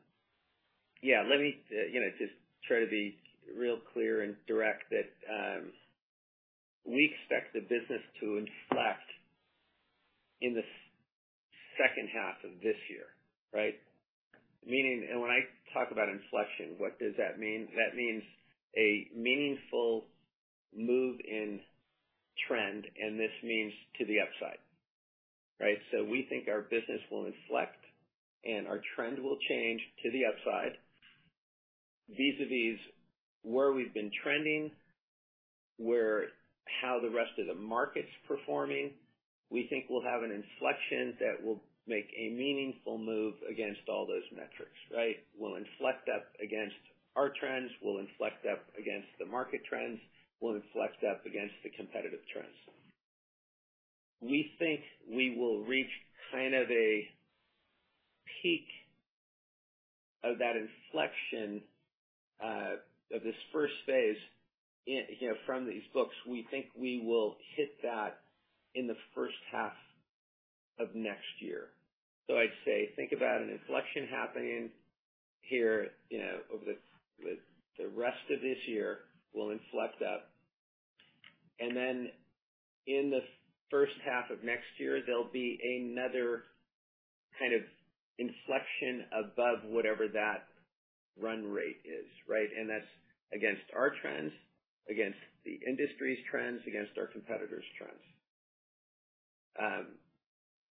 yeah, let me, you know, just try to be real clear and direct that, we expect the business to inflect in the second half of this year, right? Meaning, and when I talk about inflection, what does that mean? That means a meaningful move in trend, and this means to the upside, right? So we think our business will inflect and our trend will change to the upside. Vis-a-vis where we've been trending, where, how the rest of the market's performing, we think we'll have an inflection that will make a meaningful move against all those metrics, right? We'll inflect up against our trends, we'll inflect up against the market trends, we'll inflect up against the competitive trends. We think we will reach kind of a peak of that inflection, of this first phase in, you know, from these books. We think we will hit that in the first half of next year. So I'd say think about an inflection happening here, you know, over the rest of this year, we'll inflect up. And then in the first half of next year, there'll be another kind of inflection above whatever that run rate is, right? And that's against our trends, against the industry's trends, against our competitors' trends.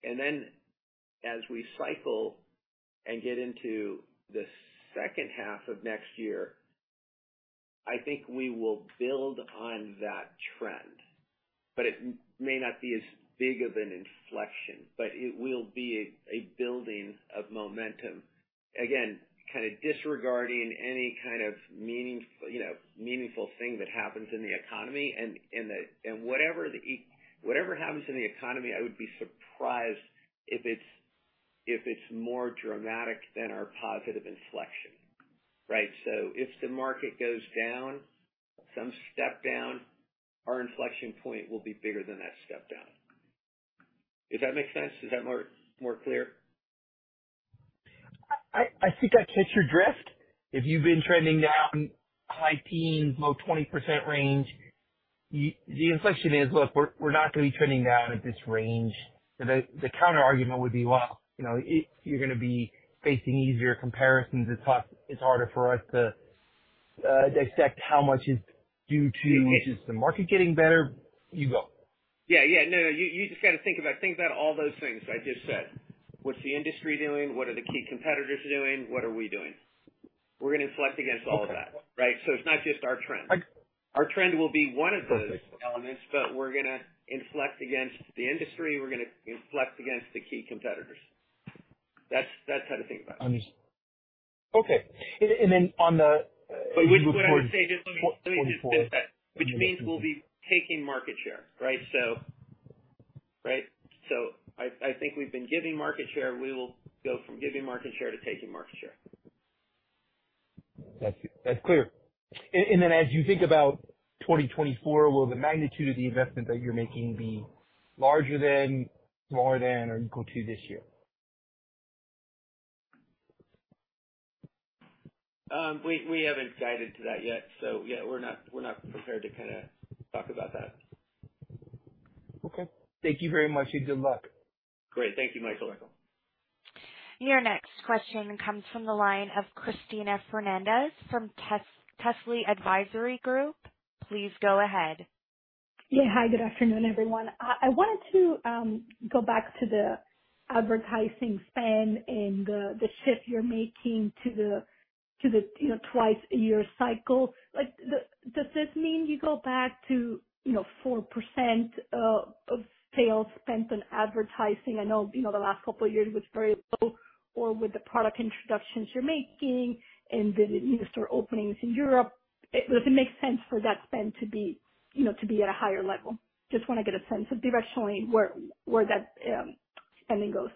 And then as we cycle and get into the second half of next year, I think we will build on that trend, but it may not be as big of an inflection, but it will be a building of momentum. Again, kind of disregarding any kind of meaningful, you know, meaningful thing that happens in the economy and whatever happens in the economy, I would be surprised if it's more dramatic than our positive inflection, right? So if the market goes down, some step down, our inflection point will be bigger than that step down. Does that make sense? Is that more clear? I think I catch your drift. If you've been trending down high teens, low 20% range, the inflection is: Look, we're not gonna be trending down at this range. The counterargument would be, well, you know, it... You're gonna be facing easier comparisons. It's hard, it's harder for us to dissect how much is due to- Yeah. Just the market getting better. You go. Yeah, yeah. No, no, you, you just got to think about, think about all those things I just said. What's the industry doing? What are the key competitors doing? What are we doing? We're gonna inflect against all of that, right? I- It's not just our trend. I- Our trend will be one of those- Got it. elements, but we're gonna inflect against the industry, we're gonna inflect against the key competitors. That's, that's how to think about it. Okay. And, and then on the, But what I would say, just let me- Twenty four. Let me just finish that. Which means we'll be taking market share, right? So, right. So I, I think we've been giving market share. We will go from giving market share to taking market share. That's clear. And then as you think about 2024, will the magnitude of the investment that you're making be larger than, smaller than, or equal to this year? We haven't guided to that yet, so yeah, we're not prepared to kind of talk about that. Okay. Thank you very much and good luck. Great. Thank you, Michael. Your next question comes from the line of Cristina Fernández from Telsey Advisory Group. Please go ahead. Yeah, hi, good afternoon, everyone. I wanted to go back to the advertising spend and the shift you're making to the you know, twice-a-year cycle. Like, does this mean you go back to you know, 4% of sales spent on advertising? I know you know, the last couple of years was very low. Or with the product introductions you're making and the new store openings in Europe, does it make sense for that spend to be you know, to be at a higher level? Just want to get a sense of directionally, where that spending goes.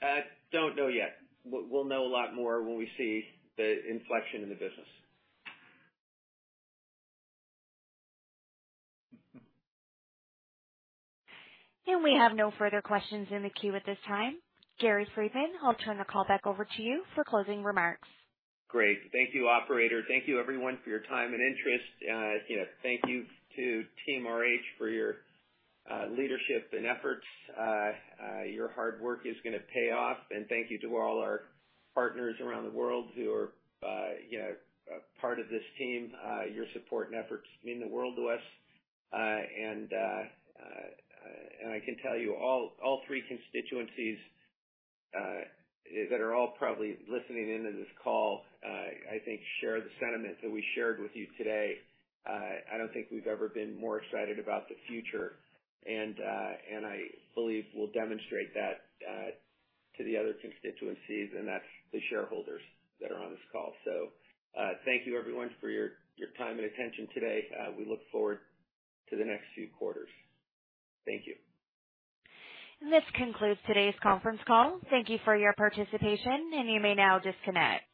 I don't know yet. We'll know a lot more when we see the inflection in the business. We have no further questions in the queue at this time. Gary Friedman, I'll turn the call back over to you for closing remarks. Great. Thank you, operator. Thank you everyone for your time and interest. You know, thank you to Team RH for your leadership and efforts. Your hard work is gonna pay off. And thank you to all our partners around the world who are, you know, part of this team. Your support and efforts mean the world to us. I can tell you all, all three constituencies that are all probably listening in to this call. I think share the sentiment that we shared with you today. I don't think we've ever been more excited about the future, and I believe we'll demonstrate that to the other constituencies, and that's the shareholders that are on this call. So, thank you everyone for your time and attention today. We look forward to the next few quarters. Thank you. This concludes today's conference call. Thank you for your participation, and you may now disconnect.